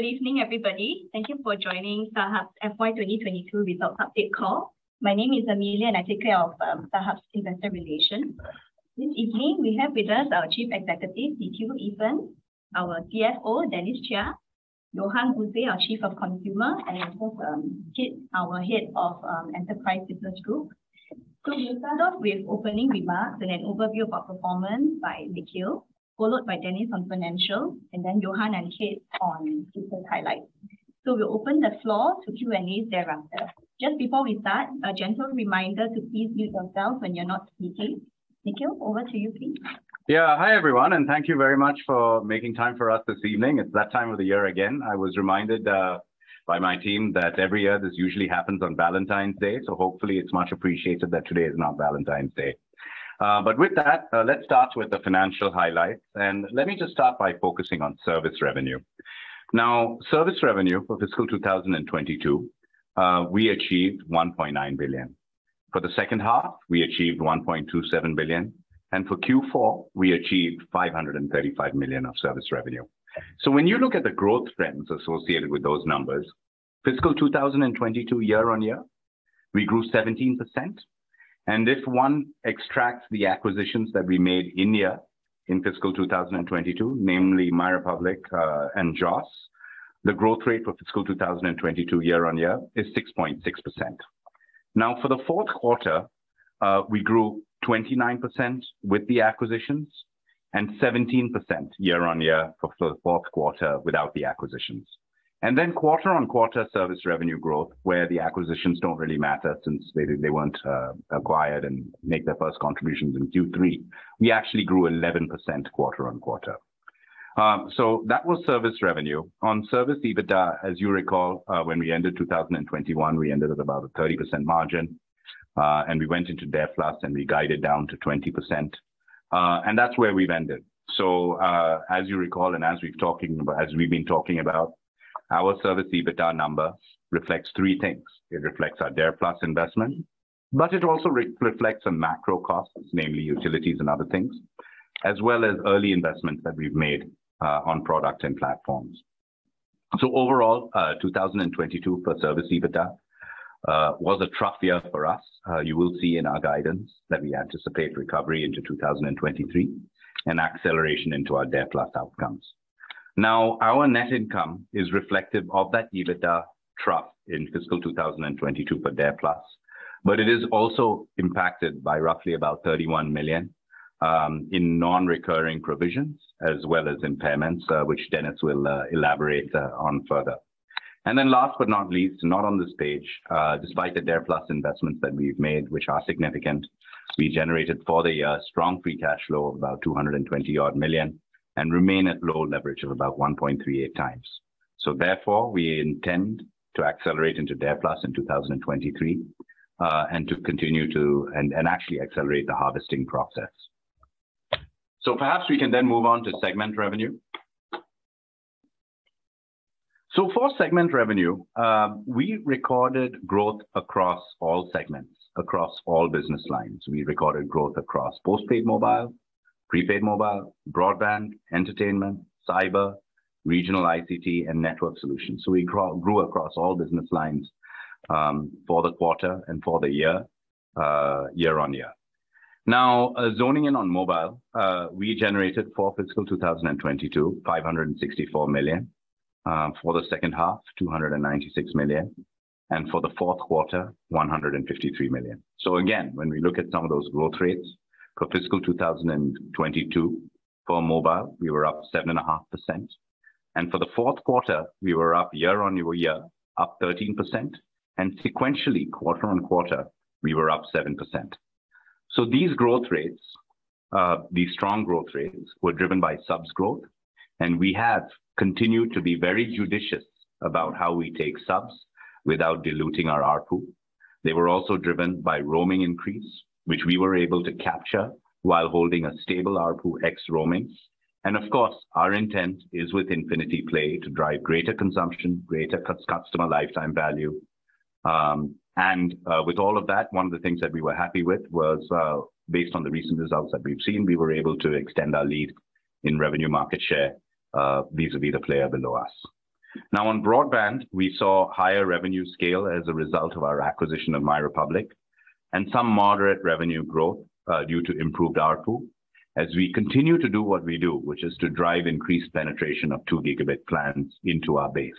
Hi. Good evening, everybody. Thank you for joining StarHub's FY 2022 Results Update Call. My name is Amelia, and I take care of StarHub's investor relations. This evening, we have with us our Chief Executive, Nikhil Eapen, our CFO, Dennis Chia, Johan Buse, our Chief of Consumer, and also Kit, our Head of Enterprise Business Group. We'll start off with opening remarks and an overview of our performance by Nikhil, followed by Dennis on financial, and Johan and Kit on business highlights. We'll open the floor to Q&A thereafter. Just before we start, a gentle reminder to please mute yourself when you're not speaking. Nikhil, over to you, please. Hi, everyone, thank you very much for making time for us this evening. It's that time of the year again. I was reminded by my team that every year this usually happens on Valentine's Day, hopefully it's much appreciated that today is not Valentine's Day. With that, let's start with the financial highlights, let me just start by focusing on service revenue. Service revenue for fiscal 2022, we achieved $1.9 billion. For the second half, we achieved $1.27 billion. For Q4, we achieved $535 million of service revenue. When you look at the growth trends associated with those numbers, fiscal 2022 year-on-year, we grew 17%. If one extracts the acquisitions that we made in the year, in FY 2022, namely MyRepublic, and JOS, the growth rate for FY 2022 year-on-year is 6.6%. For the fourth quarter, we grew 29% with the acquisitions and 17% year-on-year for the fourth quarter without the acquisitions. Quarter-on-quarter service revenue growth, where the acquisitions don't really matter since they weren't acquired and make their first contributions in Q3, we actually grew 11% quarter-on-quarter. That was service revenue. On service EBITDA, as you recall, when we ended 2021, we ended at about a 30% margin, and we went into DARE+ and we guided down to 20%. That's where we've ended. As you recall and as we've been talking about, our service EBITDA number reflects three things. It reflects our DARE+ investment, but it also re-reflects on macro costs, namely utilities and other things, as well as early investments that we've made on product and platforms. Overall, 2022 for service EBITDA was a trough year for us. You will see in our guidance that we anticipate recovery into 2023 and acceleration into our DARE+ outcomes. Now, our net income is reflective of that EBITDA trough in fiscal 2022 for DARE+, but it is also impacted by roughly about $31 million in non-recurring provisions as well as impairments, which Dennis will elaborate on further. Last but not least, not on this page, despite the DARE+ investments that we've made, which are significant, we generated for the year strong free cash flow of about $220 odd million and remain at low leverage of about 1.38x. Therefore, we intend to accelerate into DARE+ in 2023, and to continue to and actually accelerate the harvesting process. Perhaps we can move on to segment revenue. For segment revenue, we recorded growth across all segments, across all business lines. We recorded growth across postpaid mobile, prepaid mobile, broadband, entertainment, cyber, regional ICT, and network solutions. We grew across all business lines, for the quarter and for the year-on-year. Now, zoning in on mobile, we generated for fiscal 2022 $564 million, for the second half, $296 million, and for the fourth quarter, $153 million. When we look at some of those growth rates, for fiscal 2022, for mobile, we were up 7.5%. For the fourth quarter, we were up year-on-year 13%, and sequentially quarter-on-quarter we were up 7%. These growth rates, these strong growth rates were driven by subs growth, and we have continued to be very judicious about how we take subs without diluting our ARPU. They were also driven by roaming increase, which we were able to capture while holding a stable ARPU ex-roamings. Our intent is with Infinity Play to drive greater consumption, greater customer lifetime value. With all of that, one of the things that we were happy with was, based on the recent results that we've seen, we were able to extend our lead in revenue market share, vis-a-vis the player below us. On broadband, we saw higher revenue scale as a result of our acquisition of MyRepublic and some moderate revenue growth, due to improved ARPU as we continue to do what we do, which is to drive increased penetration of 2 Gb plans into our base.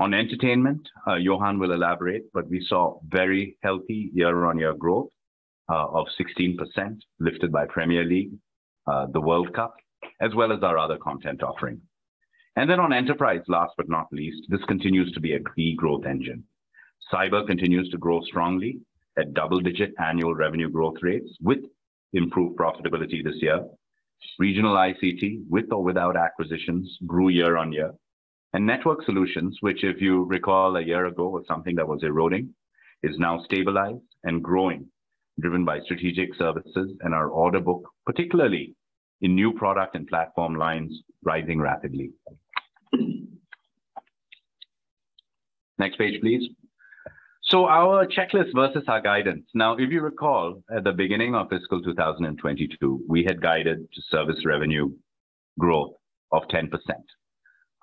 On entertainment, Johan will elaborate, but we saw very healthy year-on-year growth of 16% lifted by Premier League, FIFA World Cup, as well as our other content offering. On enterprise, last but not least, this continues to be a key growth engine. Cyber continues to grow strongly at double-digit annual revenue growth rates with improved profitability this year. Regional ICT, with or without acquisitions, grew year-on-year. Network solutions, which if you recall a year ago was something that was eroding, is now stabilized and growing, driven by strategic services and our order book, particularly in new product and platform lines rising rapidly. Next page, please. Our checklist versus our guidance. If you recall, at the beginning of fiscal 2022, we had guided service revenue growth of 10%.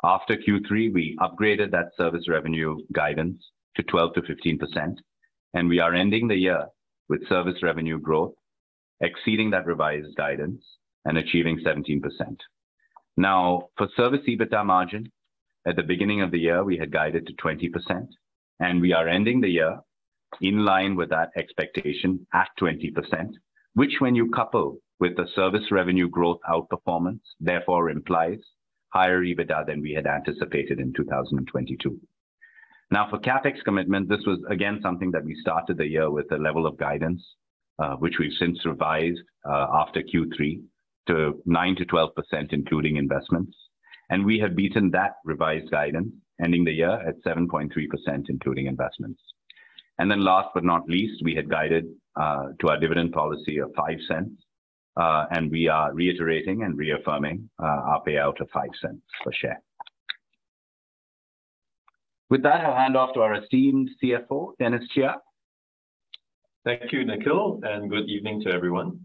After Q3, we upgraded that service revenue guidance to 12%-15%, and we are ending the year with service revenue growth exceeding that revised guidance and achieving 17%. For service EBITDA margin, at the beginning of the year, we had guided to 20%, and we are ending the year in line with that expectation at 20%, which when you couple with the service revenue growth outperformance therefore implies higher EBITDA than we had anticipated in 2022. For CapEx commitment, this was again, something that we started the year with a level of guidance, which we've since revised after Q3 to 9%-12% including investments. We have beaten that revised guidance ending the year at 7.3%, including investments. Last but not least, we had guided to our dividend policy of $0.05, and we are reiterating and reaffirming our payout of $0.05 per share. With that, I'll hand off to our esteemed CFO, Dennis Chia. Thank you, Nikhil, and good evening to everyone.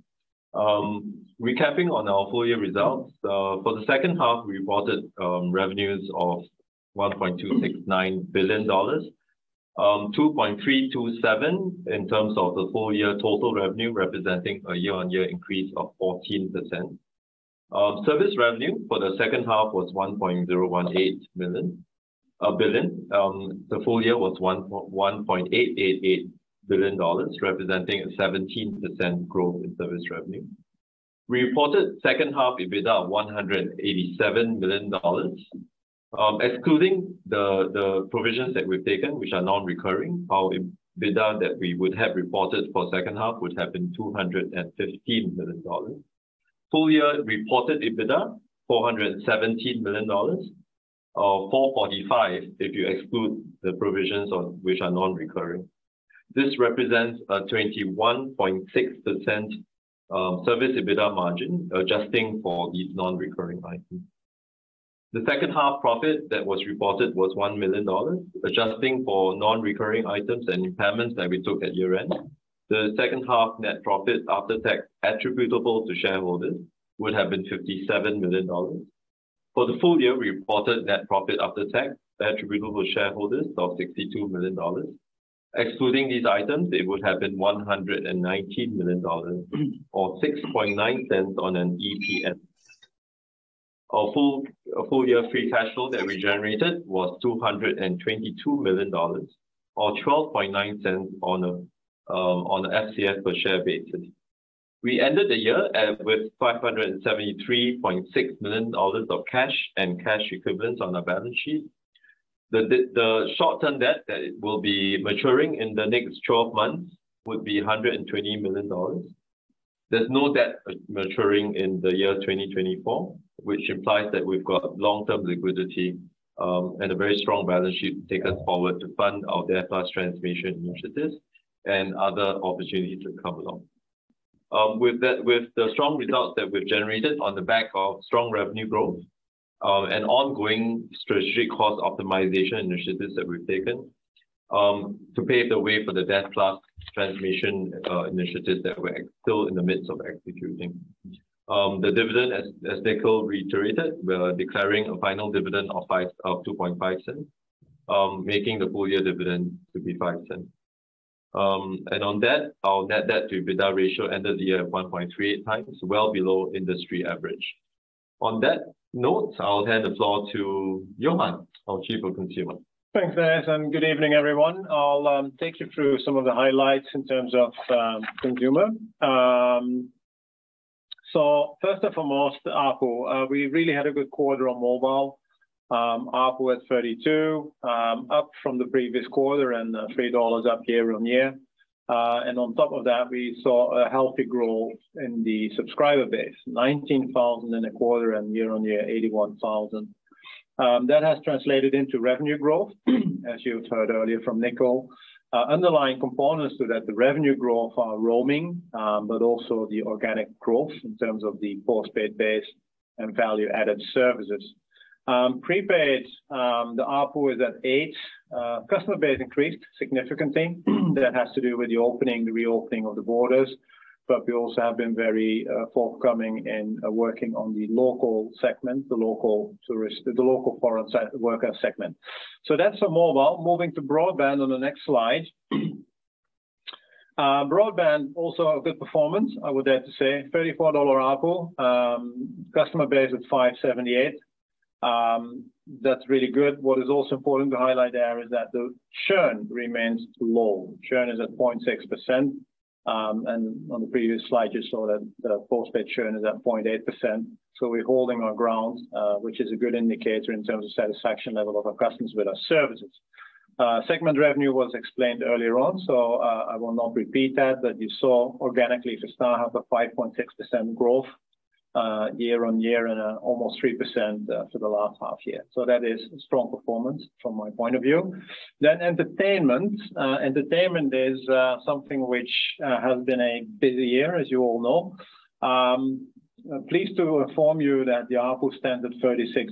Recapping on our full year results. For the second half, we reported revenues of $1.269 billion, $2.327 billion in terms of the full year total revenue, representing a year-on-year increase of 14%. Service revenue for the second half was $1.018 billion. The full year was $1.888 billion, representing a 17% growth in service revenue. We reported second half EBITDA of $187 million. Excluding the provisions that we've taken, which are non-recurring, our EBITDA that we would have reported for second half would have been $215 million. Full year reported EBITDA, $417 million, or $445 if you exclude the provisions which are non-recurring. This represents a 21.6% service EBITDA margin, adjusting for these non-recurring items. The second half profit that was reported was $1 million. Adjusting for non-recurring items and impairments that we took at year-end, the second half net profit after tax attributable to shareholders would have been $57 million. For the full year, we reported net profit after tax attributable to shareholders of $62 million. Excluding these items, it would have been $119 million or $0.069 on an EPS. Our full year free cash flow that we generated was $222 million or $0.129 on a FCF per share basis. We ended the year with $573.6 million of cash and cash equivalents on our balance sheet. The short-term debt that will be maturing in the next 12 months would be $120 million. There's no debt maturing in the year 2024, which implies that we've got long-term liquidity and a very strong balance sheet to take us forward to fund our DARE+ transformation initiatives and other opportunities that come along. With the strong results that we've generated on the back of strong revenue growth and ongoing strategic cost optimization initiatives that we've taken to pave the way for the DARE+ transformation initiatives that we're still in the midst of executing. The dividend, as Nikhil reiterated, we're declaring a final dividend of $0.025, making the full year dividend to be $0.05. On that, our net debt to EBITDA ratio ended the year at 1.3x, well below industry average. On that note, I'll hand the floor to Johan, our Chief of Consumer. Thanks, Dennis, and good evening, everyone. I'll take you through some of the highlights in terms of consumer. First and foremost, ARPU. We really had a good quarter on mobile. ARPU at 32, up from the previous quarter and $3 up year-on-year. On top of that, we saw a healthy growth in the subscriber base, 19,000 in a quarter and year-on-year 81,000. That has translated into revenue growth, as you've heard earlier from Nikhil. Underlying components to that, the revenue growth are roaming, but also the organic growth in terms of the postpaid base and value-added services. Prepaid, the ARPU is at 8. Customer base increased significantly. That has to do with the reopening of the borders. We also have been very forthcoming in working on the local segment, the local foreign worker segment. That's for mobile. Moving to broadband on the next slide. Broadband also a good performance, I would dare to say $34 ARPU. Customer base at 578. That's really good. What is also important to highlight there is that the churn remains low. Churn is at 0.6%. On the previous slide, you saw that the postpaid churn is at 0.8%. We're holding our ground, which is a good indicator in terms of satisfaction level of our customers with our services. Segment revenue was explained earlier on, so I will not repeat that. You saw organically, for StarHub, a 5.6% growth year-on-year and almost 3% for the last half year. That is strong performance from my point of view. Entertainment. Entertainment is something which has been a busy year, as you all know. Pleased to inform you that the ARPU stands at $36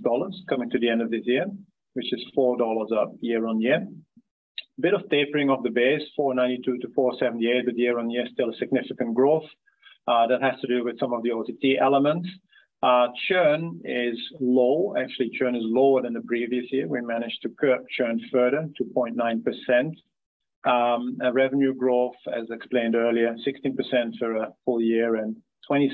coming to the end of this year, which is $4 up year-on-year. Bit of tapering of the base, 492 to 478, year-on-year still a significant growth that has to do with some of the OTT elements. Churn is low. Actually, churn is lower than the previous year. We managed to churn further to 0.9%. Our revenue growth, as explained earlier, 16% for a full year and 27%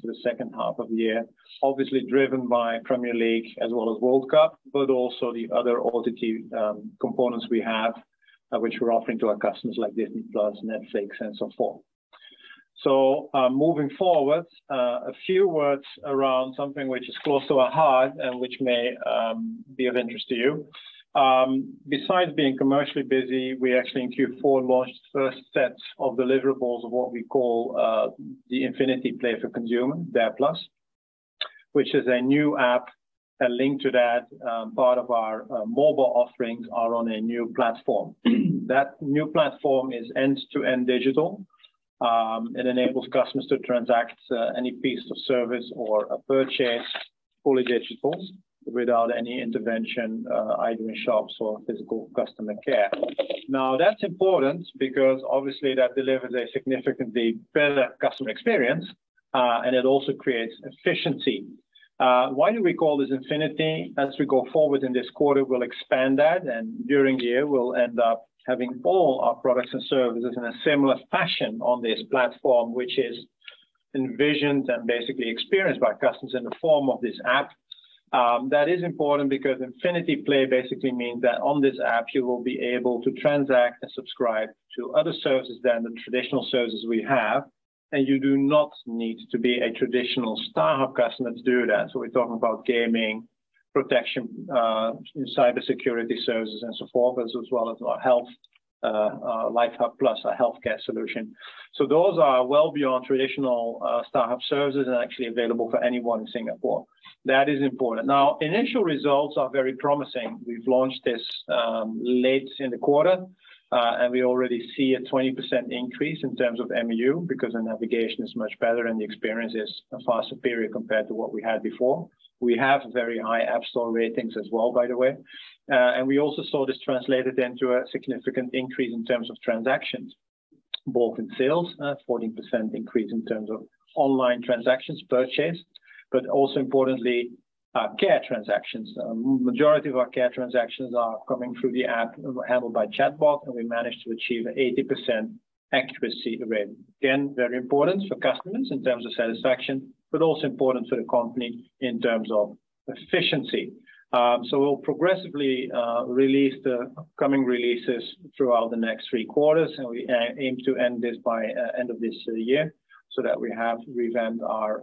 for the second half of the year. Obviously, driven by Premier League as well as World Cup, but also the other OTT components we have, which we're offering to our customers like Disney+, Netflix and so forth. Moving forward, a few words around something which is close to our heart and which may be of interest to you. Besides being commercially busy, we actually in Q4 launched first sets of deliverables of what we call the Infinity Play for consumer, DARE+, which is a new app. A link to that, part of our mobile offerings are on a new platform. That new platform is end-to-end digital. It enables customers to transact any piece of service or a purchase fully digital without any intervention, either in shops or physical customer care. That's important because obviously that delivers a significantly better customer experience and it also creates efficiency. Why do we call this Infinity? As we go forward in this quarter, we'll expand that, and during the year, we'll end up having all our products and services in a similar fashion on this platform, which is envisioned and basically experienced by customers in the form of this app. That is important because Infinity Play basically means that on this app, you will be able to transact and subscribe to other services than the traditional services we have. You do not need to be a traditional StarHub customer to do that. We're talking about gaming, protection, cybersecurity services and so forth, as well as our health, LifeHub+, our healthcare solution. Those are well beyond traditional StarHub services and actually available for anyone in Singapore. That is important. Initial results are very promising. We've launched this late in the quarter, and we already see a 20% increase in terms of MAU because the navigation is much better and the experience is far superior compared to what we had before. We have very high App Store ratings as well, by the way. We also saw this translated into a significant increase in terms of transactions, both in sales, 14% increase in terms of online transactions purchased, but also importantly, care transactions. Majority of our care transactions are coming through the app handled by chatbot, and we managed to achieve 80% accuracy rate. Again, very important for customers in terms of satisfaction, also important for the company in terms of efficiency. We'll progressively release the coming releases throughout the next three quarters, and we aim to end this by end of this year so that we have revamped our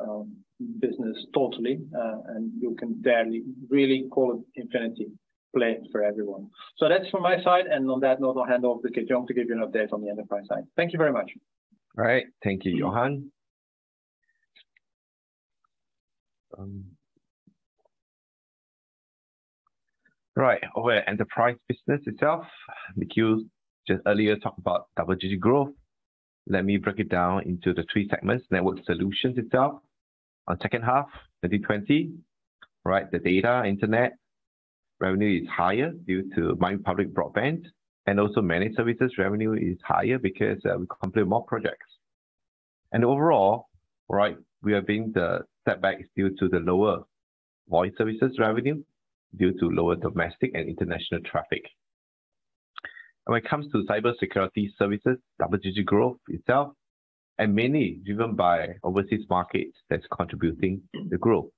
business totally, and you can barely really call it Infinity Play for everyone. That's from my side, and on that note, I'll hand off to Tan Kit Yong to give you an update on the enterprise side. Thank you very much. All right. Thank you, Johan. Right, over Enterprise Business Group itself, Nikhil just earlier talked about double-digit growth. Let me break it down into the three segments. Network Solutions itself on second half 2020, right? The data internet revenue is higher due to buoyant public broadband, and also managed services revenue is higher because we complete more projects. Overall, right, we are being the setbacks due to the lower voice services revenue due to lower domestic and international traffic. When it comes to Cybersecurity Services, double-digit growth itself, and mainly driven by overseas markets that's contributing the growth.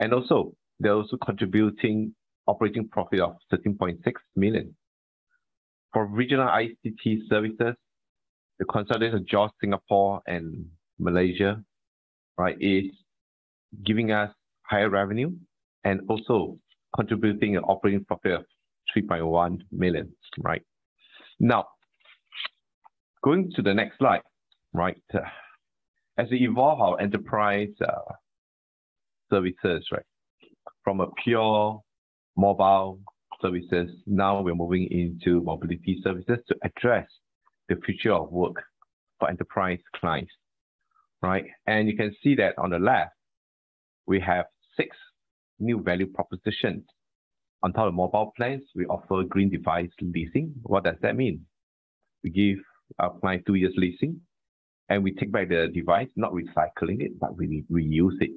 Also, they're also contributing operating profit of $13.6 million. For Regional ICT Services, the consolidated JOS Singapore and Malaysia, right, is giving us higher revenue and also contributing an operating profit of $3.1 million, right? Going to the next slide, right? As we evolve our Enterprise services, right, from a pure mobile services, now we're moving into mobility services to address the future of work for Enterprise clients, right? You can see that on the left, we have six new value propositions. On top of mobile plans, we offer green device leasing. What does that mean? We give our client two years leasing, and we take back the device, not recycling it, but we reuse it,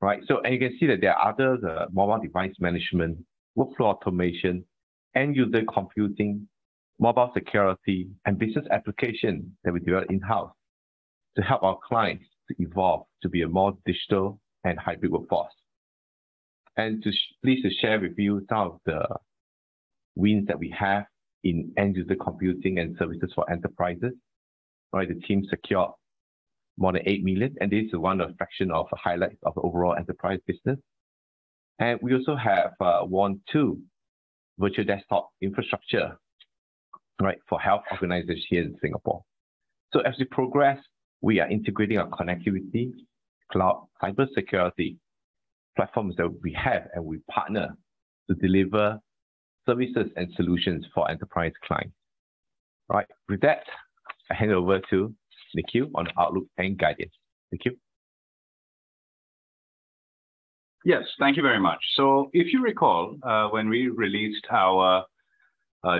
right? You can see that there are other mobile device management, workflow automation, end-user computing, mobile security, and business application that we developed in-house to help our clients to evolve to be a more digital and hybrid workforce. Pleased to share with you some of the wins that we have in end-user computing and services for Enterprises, right? The team secured more than $8 million, this is one of the fraction of the highlights of the overall enterprise business. We also have won two virtual desktop infrastructure, right, for health organizers here in Singapore. As we progress, we are integrating our connectivity, cloud, cybersecurity platforms that we have and we partner to deliver services and solutions for enterprise client. All right. With that, I hand over to Nikhil on outlook and guidance. Thank you. Yes, thank you very much. If you recall, when we released our,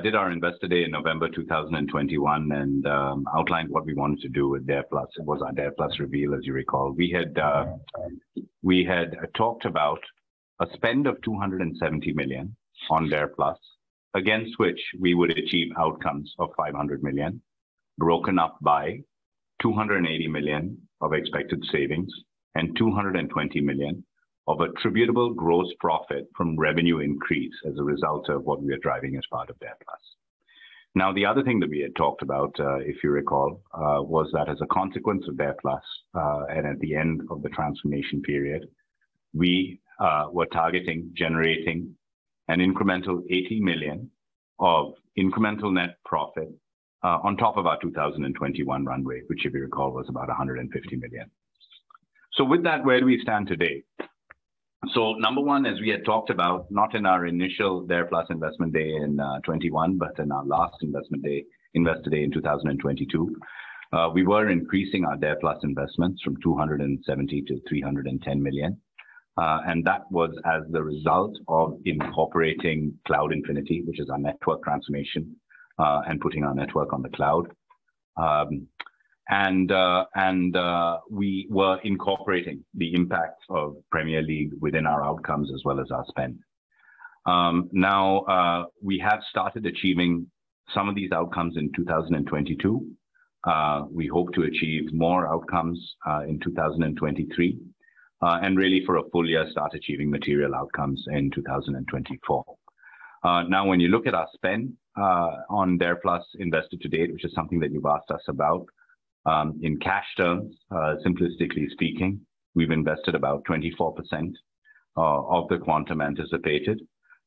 did our investor day in November 2021 and outlined what we wanted to do with DARE+, it was our DARE+ reveal, as you recall. We had talked about a spend of $270 million on DARE+ against which we would achieve outcomes of $500 million, broken up by $280 million of expected savings and $220 million of attributable gross profit from revenue increase as a result of what we are driving as part of DARE+. The other thing that we had talked about, if you recall, was that as a consequence of DARE+, and at the end of the transformation period, we were targeting generating an incremental $80 million of incremental net profit on top of our 2021 runway, which if you recall, was about $150 million. With that, where do we stand today? Number one, as we had talked about, not in our initial DARE+ investment day in 2021, but in our last investment day, investor day in 2022, we were increasing our DARE+ investments from $270 million-$310 million. That was as the result of incorporating Cloud Infinity, which is our network transformation, and putting our network on the cloud. We were incorporating the impact of Premier League within our outcomes as well as our spend. Now, we have started achieving some of these outcomes in 2022. We hope to achieve more outcomes in 2023. Really for a full year, start achieving material outcomes in 2024. Now when you look at our spend on DARE+ invested to date, which is something that you've asked us about, in cash terms, simplistically speaking, we've invested about 24% of the quantum anticipated.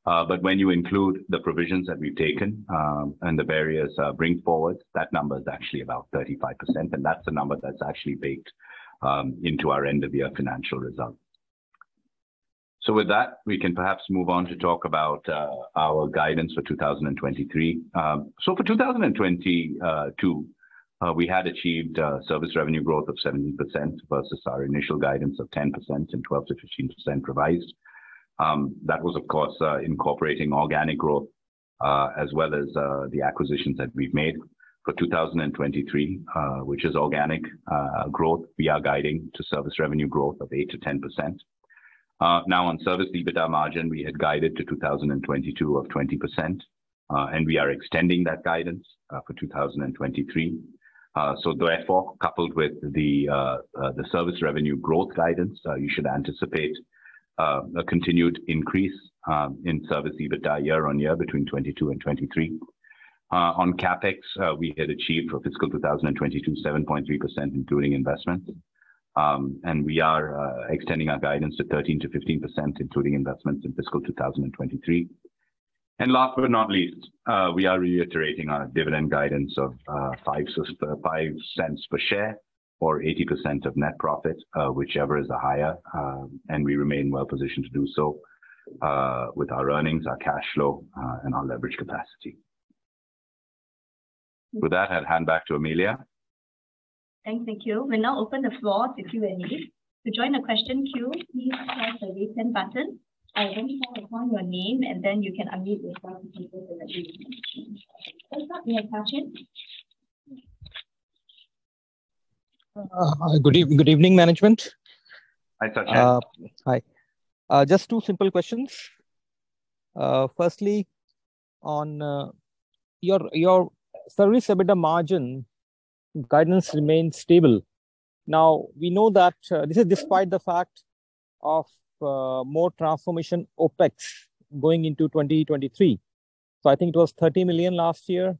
When you include the provisions that we've taken, and the various bring forwards, that number is actually about 35%, and that's the number that's actually baked into our end-of-year financial results. With that, we can perhaps move on to talk about our guidance for 2023. For 2022, we had achieved service revenue growth of 17% versus our initial guidance of 10% and 12%-15% revised. That was, of course, incorporating organic growth as well as the acquisitions that we've made. For 2023, which is organic growth, we are guiding to service revenue growth of 8%-10%. Now on service EBITDA margin, we had guided to 2022 of 20%, and we are extending that guidance for 2023. Therefore, coupled with the service revenue growth guidance, you should anticipate a continued increase in service EBITDA year-on-year between 2022 and 2023. On CapEx, we had achieved for fiscal 2022 7.3% including investments. We are extending our guidance to 13%-15%, including investments in fiscal 2023. Last but not least, we are reiterating our dividend guidance of $0.05 per share or 80% of net profit, whichever is the higher. We remain well-positioned to do so with our earnings, our cash flow, and our leverage capacity. With that, I'll hand back to Amelia. Thanks, Nikhil. We will now open the floor to Q&A. To join the question queue, please press the raise hand button. I will then call upon your name, and then you can unmute yourself to pose your query. First up, we have Sachin. Good evening, management. Hi, Sachin. Hi. Just two simple questions. Firstly, on your service EBITDA margin guidance remains stable. Now, we know that this is despite the fact of more transformation OpEx going into 2023. I think it was $30 million last year.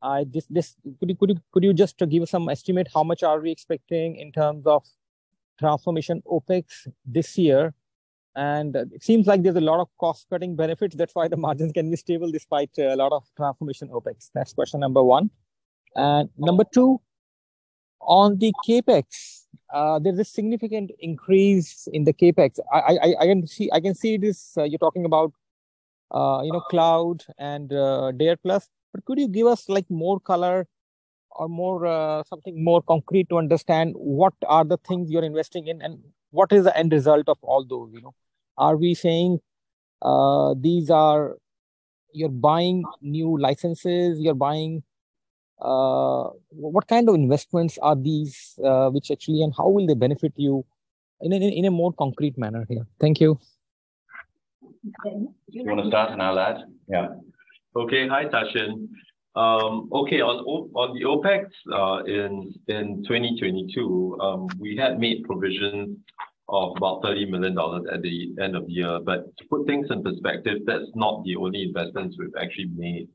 Could you just give some estimate how much are we expecting in terms of transformation OpEx this year? It seems like there's a lot of cost-cutting benefits, that's why the margins can be stable despite a lot of transformation OpEx. That's question number one. Number two, on the CapEx, there's a significant increase in the CapEx. I can see this, you're talking about, you know, cloud and DARE+. Could you give us, like, more color or more, something more concrete to understand what are the things you're investing in and what is the end result of all those, you know? Are we saying, you're buying new licenses? What kind of investments are these, which actually, and how will they benefit you in a, in a more concrete manner here? Thank you. Okay. You wanna start and I'll add? Hi, Sachin. On the OpEx in 2022, we had made provision of about $30 million at the end of the year. To put things in perspective, that's not the only investments we've actually made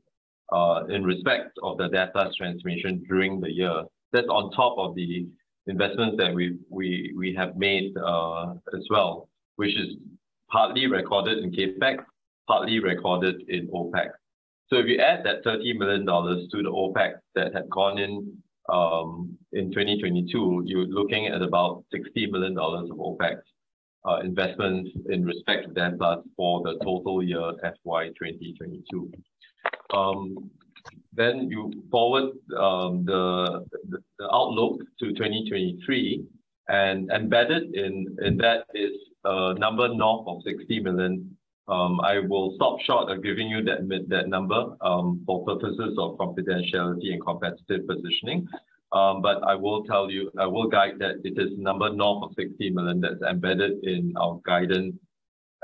in respect of the DARE+ transformation during the year. That's on top of the investments that we have made as well, which is partly recorded in CapEx, partly recorded in OpEx. If you add that $30 million to the OpEx that had gone in in 2022, you're looking at about $60 million of OpEx investments in respect to that, but for the total year FY 2022. You forward the outlook to 2023 and embedded in that is a number north of $60 million. I will stop short of giving you that number for purposes of confidentiality and competitive positioning. I will tell you, I will guide that it is number north of $60 million that's embedded in our guidance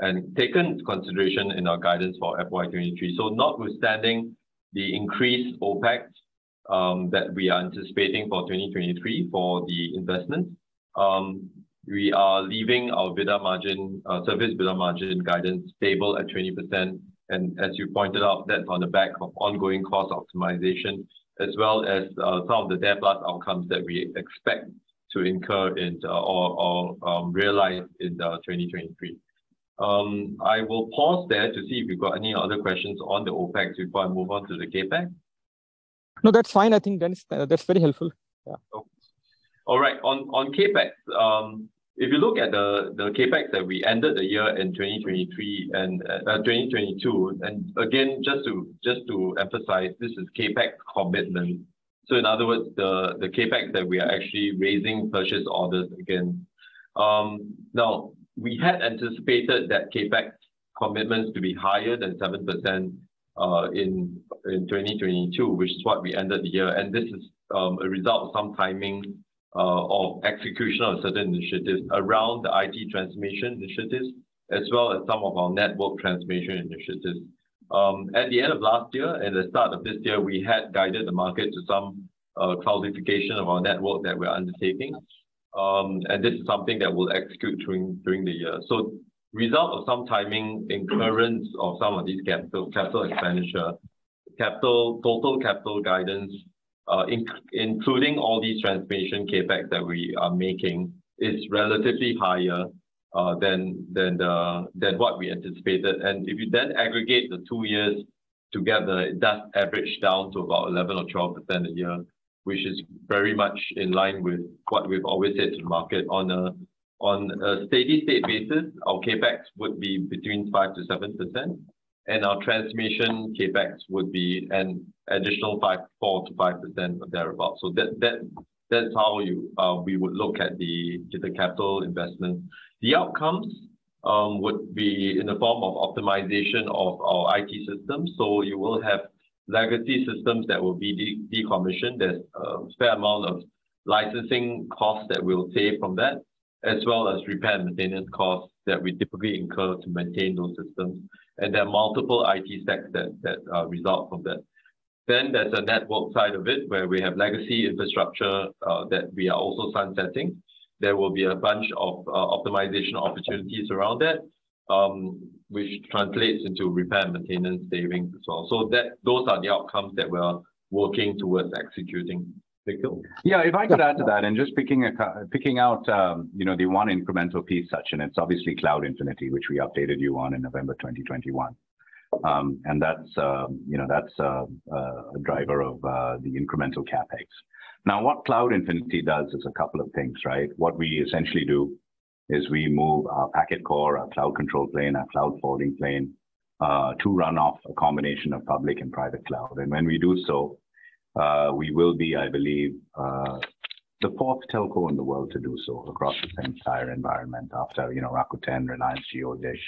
and taken into consideration in our guidance for FY 2023. Notwithstanding the increased OpEx that we are anticipating for 2023 for the investment, we are leaving our EBITDA margin, service EBITDA margin guidance stable at 20%. As you pointed out, that's on the back of ongoing cost optimization as well as some of the DARE+ outcomes that we expect to incur into or realize in 2023. I will pause there to see if you've got any other questions on the OpEx before I move on to the CapEx. No, that's fine. I think, Dennis, that's very helpful. Yeah. All right. On CapEx, if you look at the CapEx that we ended the year in 2023 and 2022. Again, just to emphasize, this is CapEx commitment. In other words, the CapEx that we are actually raising purchase orders against. We had anticipated that CapEx commitments to be higher than 7% in 2022, which is what we ended the year. This is a result of some timing or execution of certain initiatives around the IT transformation initiatives, as well as some of our network transformation initiatives. At the end of last year and the start of this year, we had guided the market to some cloudification of our network that we're undertaking. This is something that we'll execute during the year. Result of some timing incurrence of some of these capital expenditure, total capital guidance, including all these transformation CapEx that we are making, is relatively higher than what we anticipated. If you then aggregate the two years together, it does average down to about 11% or 12% a year, which is very much in line with what we've always said to the market. On a steady-state basis, our CapEx would be between 5%-7%, and our transformation CapEx would be an additional 4%-5% or thereabout. That's how you, we would look at the capital investment. The outcomes would be in the form of optimization of our IT system. You will have legacy systems that will be decommissioned. There's a fair amount of licensing costs that we'll save from that, as well as repair and maintenance costs that we typically incur to maintain those systems. There are multiple IT stacks that result from that. There's a network side of it where we have legacy infrastructure that we are also sunsetting. There will be a bunch of optimization opportunities around that, which translates into repair and maintenance savings as well. That, those are the outcomes that we're working towards executing. Nikhil? Yeah, if I could add to that and just picking out, you know, the one incremental piece such. It's obviously Cloud Infinity, which we updated you on in November 2021. That's a driver of the incremental CapEx. Now, what Cloud Infinity does is a couple of things, right? What we essentially do is we move our packet core, our cloud control plane, our cloud forwarding plane, to run off a combination of public and private cloud. When we do so, we will be, I believe, the 4th telco in the world to do so across the entire environment after, you know, Rakuten, Reliance Jio, Dish.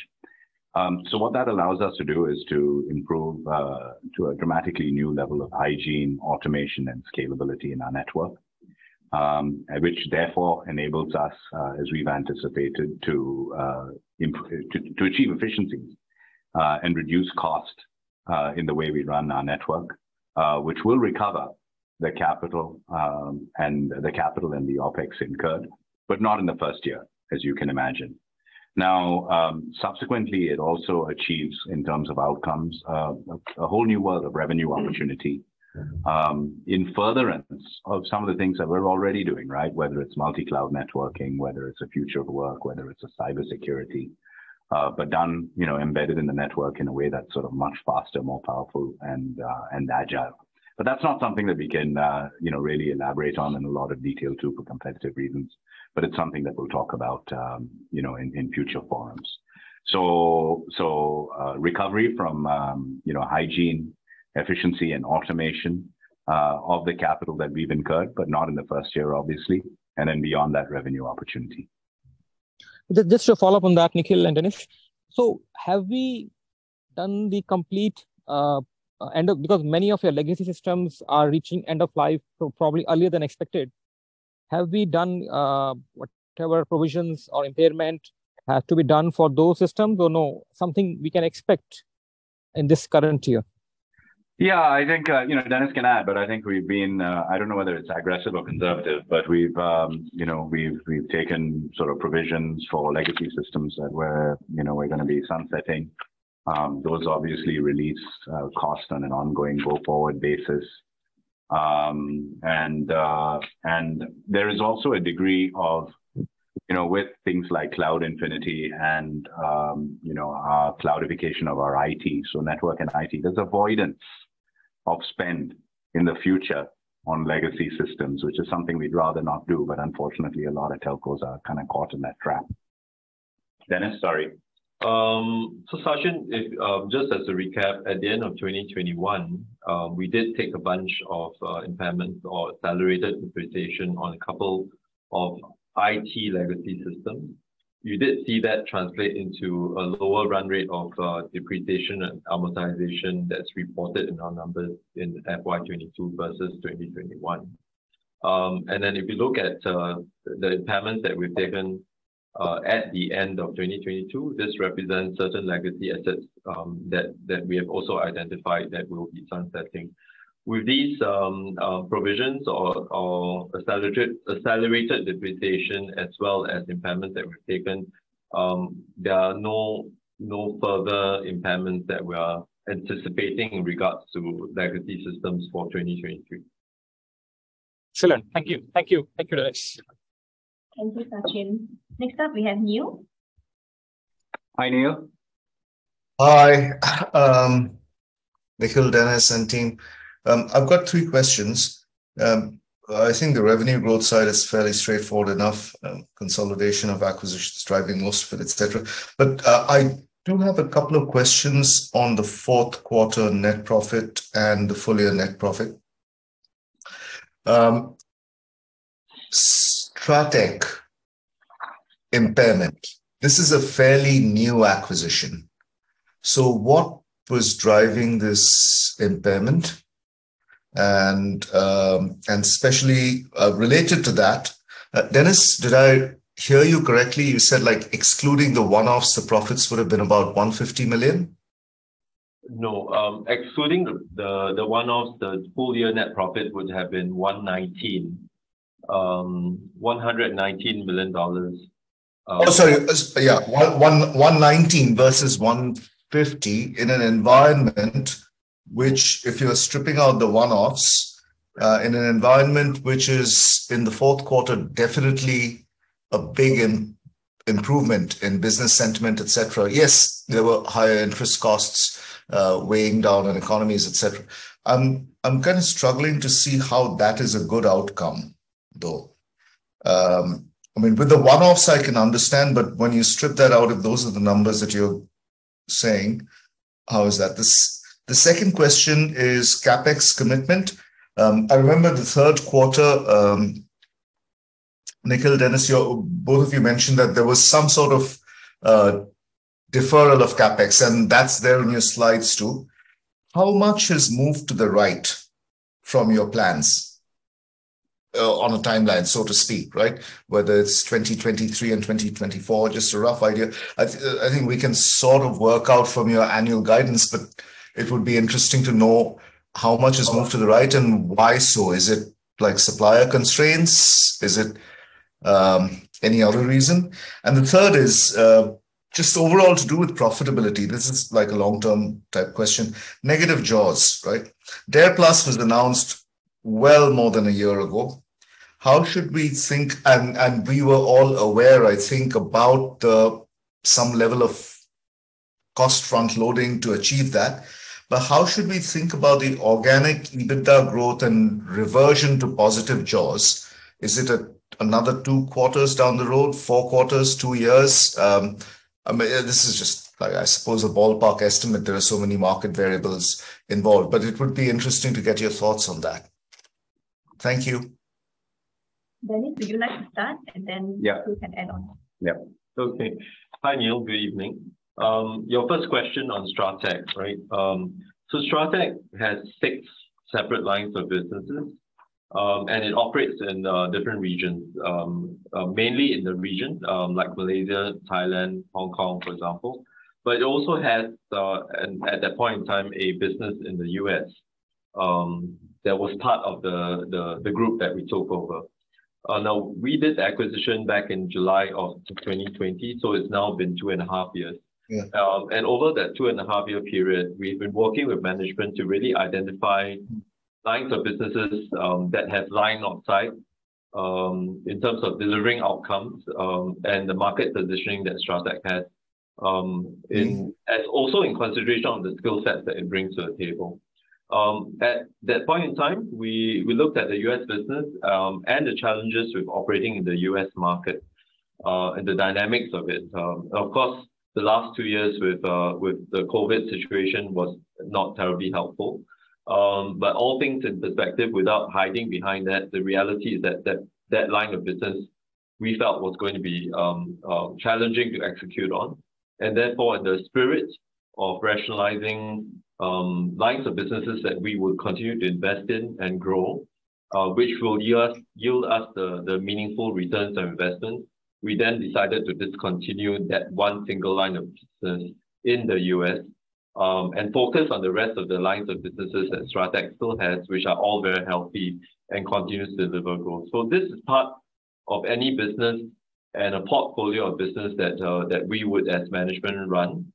What that allows us to do is to improve to a dramatically new level of hygiene, automation, and scalability in our network, which therefore enables us, as we've anticipated, to achieve efficiencies and reduce costs in the way we run our network, which will recover the capital and the OpEx incurred, but not in the first year, as you can imagine. Subsequently, it also achieves, in terms of outcomes, a whole new world of revenue opportunity in furtherance of some of the things that we're already doing, right? Whether it's multi-cloud networking, whether it's the future of work, whether it's cybersecurity, but done, you know, embedded in the network in a way that's sort of much faster, more powerful and agile. That's not something that we can, you know, really elaborate on in a lot of detail too for competitive reasons. It's something that we'll talk about, you know, in future forums. Recovery from, you know, hygiene, efficiency and automation, of the capital that we've incurred, but not in the first year, obviously, and then beyond that revenue opportunity. Just to follow up on that, Nikhil and Dennis. Because many of your legacy systems are reaching end of life probably earlier than expected. Have we done whatever provisions or impairment have to be done for those systems or no? Something we can expect in this current year? Yeah. I think, you know, Dennis can add, but I think we've been, I don't know whether it's aggressive or conservative, but we've, you know, we've taken sort of provisions for legacy systems that we're, you know, we're gonna be sunsetting. Those obviously release costs on an ongoing go-forward basis. There is also a degree of, you know, with things like Cloud Infinity and, you know, our cloudification of our IT, so network and IT, there's avoidance of spend in the future on legacy systems, which is something we'd rather not do, but unfortunately, a lot of telcos are kinda caught in that trap. Dennis, sorry. Sachin, if, just as a recap, at the end of 2021, we did take a bunch of impairments or accelerated depreciation on a couple of IT legacy systems. You did see that translate into a lower run rate of depreciation and amortization that's reported in our numbers in FY 2022 versus 2021. If you look at the impairments that we've taken at the end of 2022, this represents certain legacy assets that we have also identified that we'll be sunsetting. With these provisions or accelerated depreciation as well as impairments that were taken, there are no further impairments that we are anticipating in regards to legacy systems for 2023. Excellent. Thank you. Thank you. Thank you, guys. Thank you, Sachin. Next up we have Neil. Hi, Neil. Hi. Nikhil, Dennis, and team, I've got three questions. I think the revenue growth side is fairly straightforward enough, consolidation of acquisitions driving most of it, et cetera. I do have a couple of questions on the fourth quarter net profit and the full year net profit. Strateq impairment, this is a fairly new acquisition. What was driving this impairment? Especially, related to that, Dennis, did I hear you correctly, you said like excluding the one-offs, the profits would have been about $150 million? No. Excluding the one-offs, the full year net profit would have been $119, $119 million. Oh, sorry. Yeah, $119 versus $150 in an environment which if you're stripping out the one-offs, in an environment which is in the fourth quarter, definitely a big improvement in business sentiment, et cetera. Yes, there were higher interest costs, weighing down on economies, et cetera. I'm kinda struggling to see how that is a good outcome, though. I mean, with the one-offs I can understand, but when you strip that out, if those are the numbers that you're saying, how is that? The second question is CapEx commitment. I remember the third quarter, Nikhil, Dennis, you, both of you mentioned that there was some sort of deferral of CapEx, and that's there in your slides, too. How much has moved to the right from your plans, on a timeline, so to speak, right? Whether it's 2023 and 2024, just a rough idea. I think we can sort of work out from your annual guidance, but it would be interesting to know how much has moved to the right and why so. Is it like supplier constraints? Is it any other reason? The third is just overall to do with profitability. This is like a long-term type question. Negative jaws, right? DARE+ was announced well more than a year ago. How should we think? We were all aware, I think, about some level of cost front-loading to achieve that. How should we think about the organic EBITDA growth and reversion to positive jaws? Is it another two quarters down the road, four quarters, two years? I mean, this is just like, I suppose, a ballpark estimate. There are so many market variables involved, but it would be interesting to get your thoughts on that. Thank you. Dennis, would you like to start? Yeah. You can add on. Hi, Neil. Good evening. Your first question on Strateq, right? Strateq has six separate lines of businesses, and it operates in different regions. Mainly in the region, like Malaysia, Thailand, Hong Kong, for example. It also has, and at that point in time, a business in the U.S., that was part of the group that we took over. We did the acquisition back in July of 2020, it's now been two and a half years. Yeah. Over that 2.5-year period, we've been working with management to really identify lines of businesses, that have line of sight, in terms of delivering outcomes, and the market positioning that Strateq has as also in consideration of the skill sets that it brings to the table. At that point in time, we looked at the U.S. business and the challenges with operating in the U.S. market and the dynamics of it. Of course, the last two years with the COVID situation was not terribly helpful. All things in perspective, without hiding behind that, the reality is that line of business we felt was going to be challenging to execute on. Therefore, in the spirit of rationalizing lines of businesses that we would continue to invest in and grow, which will yield us the meaningful returns on investment, we decided to discontinue that one single line of business in the U.S., and focus on the rest of the lines of businesses that Strateq still has, which are all very healthy and continues to deliver growth. This is part of any business and a portfolio of business that we would as management run.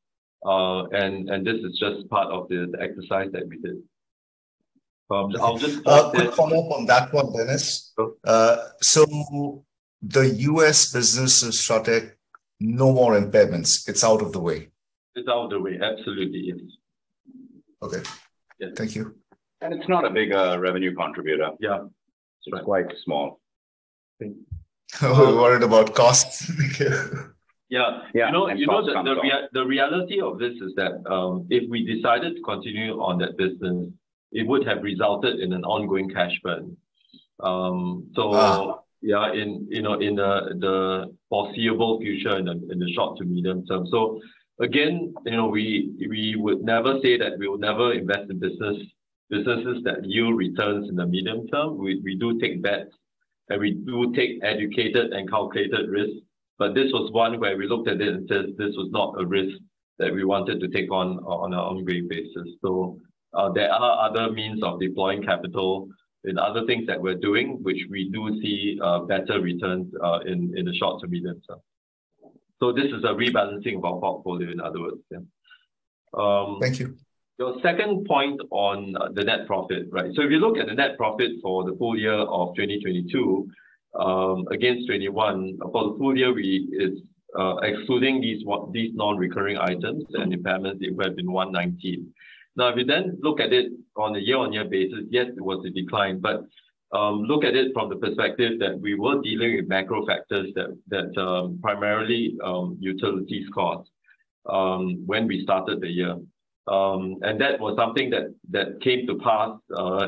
This is just part of the exercise that we did. A quick follow-up on that one, Dennis. Sure. The U.S. business in Strateq, no more impediments. It's out of the way. It's out of the way. Absolutely, yes. Okay. Yes. Thank you. It's not a big revenue contributor. Yeah. Correct. It's quite small. We're worried about costs, Nikhil. Yeah. Yeah. You know the reality of this is that, if we decided to continue on that business, it would have resulted in an ongoing cash burn. Yeah, in, you know, in the foreseeable future, in the, in the short to medium term. Again, you know, we would never say that we will never invest in business, businesses that yield returns in the medium term. We, we do take bets, and we do take educated and calculated risks, but this was one where we looked at it and said this was not a risk that we wanted to take on our own gross basis. There are other means of deploying capital in other things that we're doing, which we do see better returns in the short to medium term. This is a rebalancing of our portfolio in other words then. Thank you. Your second point on the net profit, right? If you look at the net profit for the full year of 2022, against 2021, for the full year, it's excluding these non-recurring items and impairments, it would have been $119. If you then look at it on a year-on-year basis, yes, it was a decline. Look at it from the perspective that we were dealing with macro factors that primarily utilities costs when we started the year. That was something that came to pass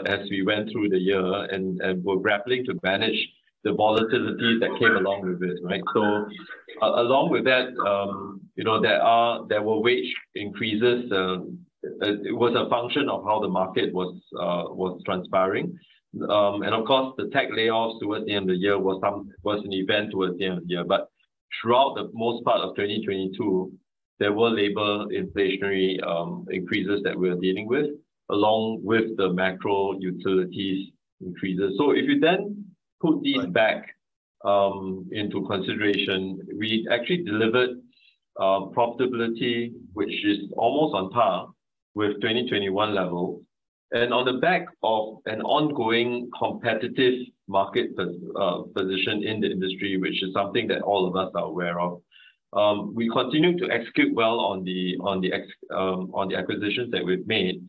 as we went through the year and we're grappling to manage the volatility that came along with it, right? Along with that, you know, there were wage increases. It was a function of how the market was transpiring. Of course, the tech layoffs towards the end of the year was some, was an event towards the end of the year. Throughout the most part of 2022, there were labor inflationary increases that we're dealing with, along with the macro utilities increases. If you put these back into consideration, we actually delivered profitability, which is almost on par with 2021 level. On the back of an ongoing competitive market position in the industry, which is something that all of us are aware of, we continue to execute well on the acquisitions that we've made.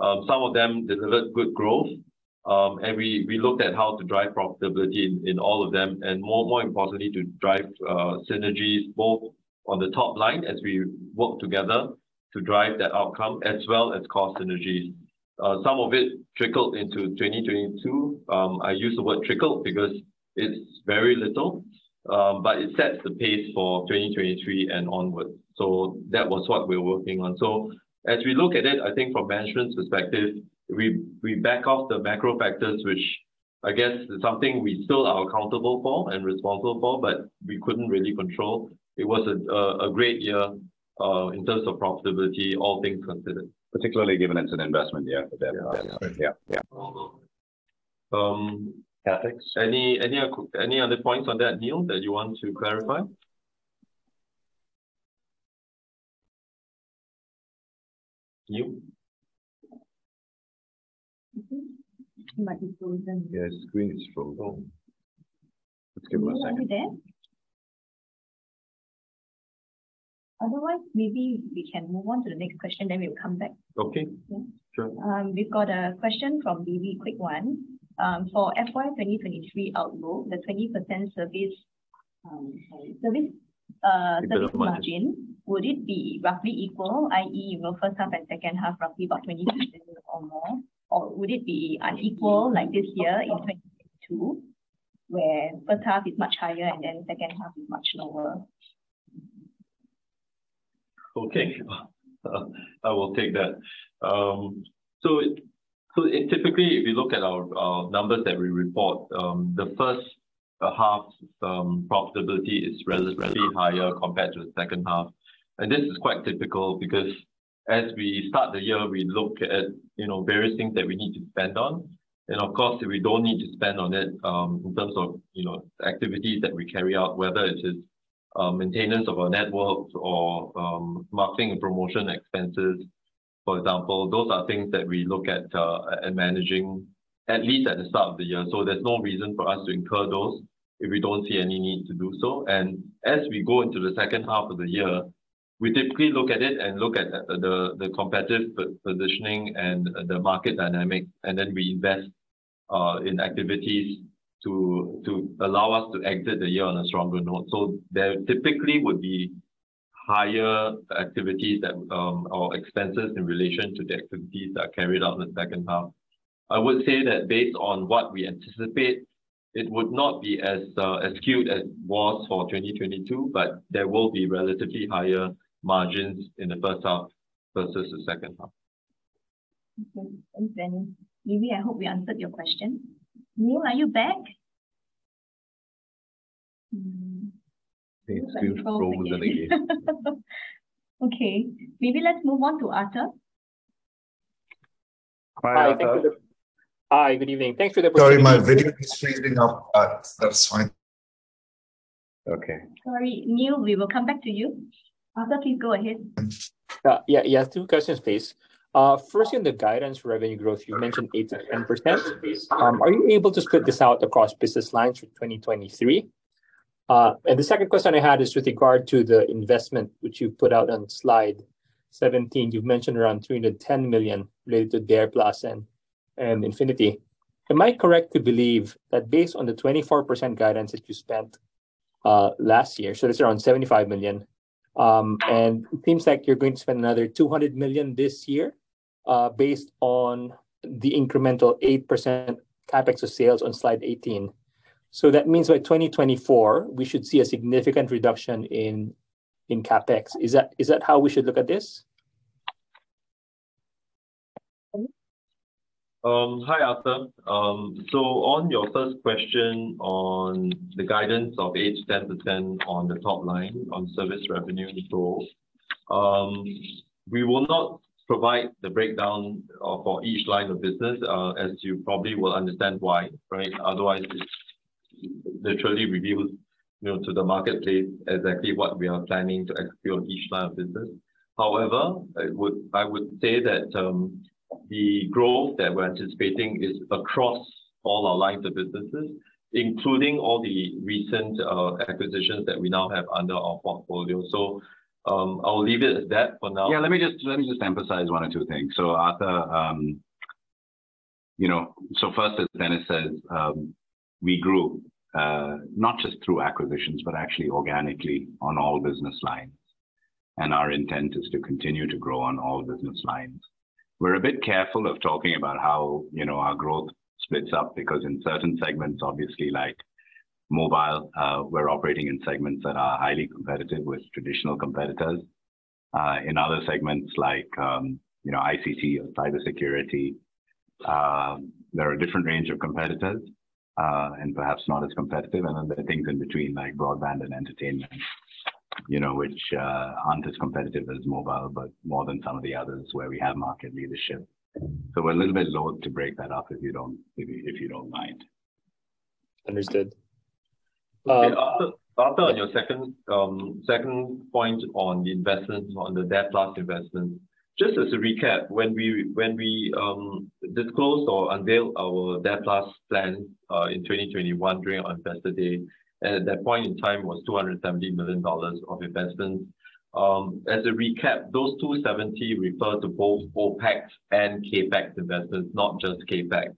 Some of them delivered good growth. We looked at how to drive profitability in all of them and more importantly, to drive synergies both on the top-line as we work together to drive that outcome, as well as cost synergies. Some of it trickled into 2022. I use the word trickle because it's very little, it sets the pace for 2023 and onward. That was what we're working on. As we look at it, I think from management's perspective, we back off the macro factors, which I guess is something we still are accountable for and responsible for, but we couldn't really control. It was a great year in terms of profitability, all things considered. Particularly given it's an investment year for them. Yeah. Yeah. Okay. Yeah, thanks. Any other points on that, Neil, that you want to clarify? Neil? I think he might be frozen. Yeah, his screen is frozen. Let's give him a second. Neil, are you there? Otherwise, maybe we can move on to the next question, then we'll come back. Okay. Yeah. Sure. We've got a question from Vivi, quick one. For FY 2023 outlook, the 20% service, sorry, service, 32 margin— The bottom line. Would it be roughly equal, i.e., you know, first half and second half roughly about 20% or more? Or would it be unequal like this year in 2022, where first half is much higher and then second half is much lower? Okay. I will take that. Typically, if you look at our numbers that we report, the first half's profitability is relatively higher compared to the second half. This is quite typical because as we start the year, we look at, you know, various things that we need to spend on. Of course, if we don't need to spend on it, in terms of, you know, activities that we carry out, whether it is maintenance of our networks or marketing and promotion expenses, for example, those are things that we look at and managing at least at the start of the year. There's no reason for us to incur those if we don't see any need to do so. As we go into the second half of the year, we typically look at it and look at the competitive positioning and the market dynamic, then we invest in activities to allow us to exit the year on a stronger note. There typically would be higher activities that, or expenses in relation to the activities that are carried out in the second half. I would say that based on what we anticipate, it would not be as skewed as it was for 2022, but there will be relatively higher margins in the first half versus the second half. Okay. Thanks, Dennis. Vivi, I hope we answered your question. Neil, are you back? Yeah, he's still frozen again. Okay. Maybe let's move on to Arthur. Hi, Arthur. Hi, good evening. Thanks for the presentation. Sorry, my video is freezing up, but that's fine. Okay. Sorry. Neil, we will come back to you. Arthur, please go ahead. Yeah, yeah, two questions please. First in the guidance revenue growth, you mentioned 8%-10%. Are you able to split this out across business lines for 2023? The second question I had is with regard to the investment which you put out on slide 17. You've mentioned around $210 million related to DARE+ and Infinity. Am I correct to believe that based on the 24% guidance that you spent last year, so that's around $75 million, and it seems like you're going to spend another $200 million this year, based on the incremental 8% CapEx of sales on slide 18. That means by 2024 we should see a significant reduction in CapEx. Is that how we should look at this? Hi, Arthur. On your first question on the guidance of 8%-10% on the top line on service revenue growth, we will not provide the breakdown for each line of business as you probably will understand why, right? Otherwise, it literally reveals, you know, to the marketplace exactly what we are planning to execute on each line of business. However, I would say that the growth that we're anticipating is across all our lines of businesses, including all the recent acquisitions that we now have under our portfolio. I'll leave it at that for now. Let me just emphasize one or two things. Arthur, you know, first, as Dennis says, we grew, not just through acquisitions, but actually organically on all business lines, and our intent is to continue to grow on all business lines. We're a bit careful of talking about how, you know, our growth splits up because in certain segments, obviously like mobile, we're operating in segments that are highly competitive with traditional competitors. In other segments like, you know, ICT or cybersecurity, there are different range of competitors, and perhaps not as competitive. There are things in between like broadband and entertainment, you know, which aren't as competitive as mobile, but more than some of the others where we have market leadership. We're a little bit loath to break that up, if you don't mind. Understood. Okay, Arthur, on your second point on the investment, on the DARE+ investment, just as a recap, when we disclosed or unveiled our DARE+ plan in 2021 during our investor day, at that point in time was $270 million of investment. As a recap, those 270 refer to both OpEx and CapEx investments, not just CapEx.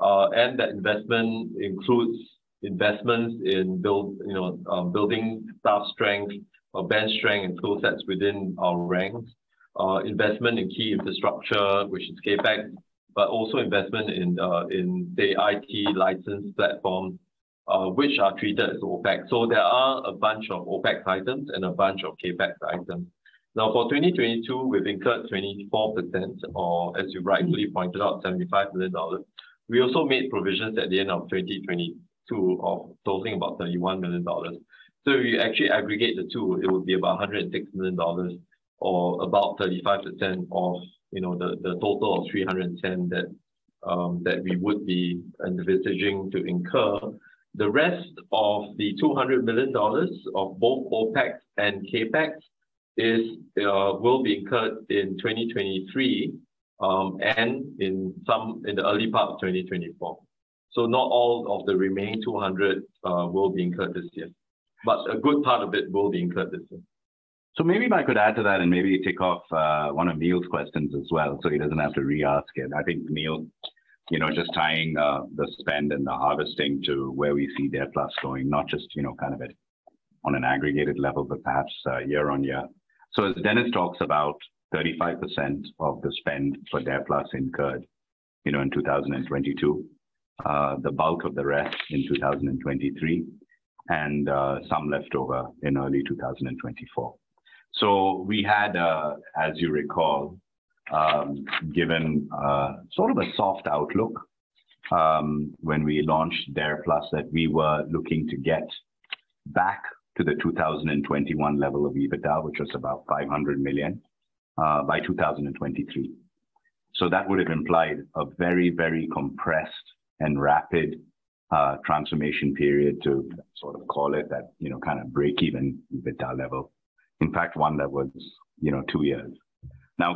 That investment includes investments in build, you know, building staff strength or bench strength and tool sets within our ranks. Investment in key infrastructure, which is CapEx, but also investment in the IT license platform, which are treated as OpEx. There are a bunch of OpEx items and a bunch of CapEx items. For 2022, we've incurred 24% or, as you rightly pointed out, $75 million. We also made provisions at the end of 2022 of totaling about $31 million. If you actually aggregate the two, it would be about $106 million or about 35% of the total of $310 million that we would be envisaging to incur. The rest of the $200 million of both OpEx and CapEx will be incurred in 2023 and in some in the early part of 2024. Not all of the remaining $200 million will be incurred this year, but a good part of it will be incurred this year. Maybe if I could add to that and maybe tick off one of Neil's questions as well, so he doesn't have to re-ask it. I think Neil, you know, just tying the spend and the harvesting to where we see DARE+ going, not just, you know, kind of at, on an aggregated level, but perhaps year-on-year. As Dennis talks about 35% of the spend for DARE+ incurred, you know, in 2022, the bulk of the rest in 2023 and some leftover in early 2024. We had, as you recall, given sort of a soft outlook, when we launched DARE+ that we were looking to get back to the 2021 level of EBITDA, which was about $500 million, by 2023. That would have implied a very, very compressed and rapid transformation period to sort of call it that, you know, kind of break-even EBITDA level. In fact, one that was, you know, two years.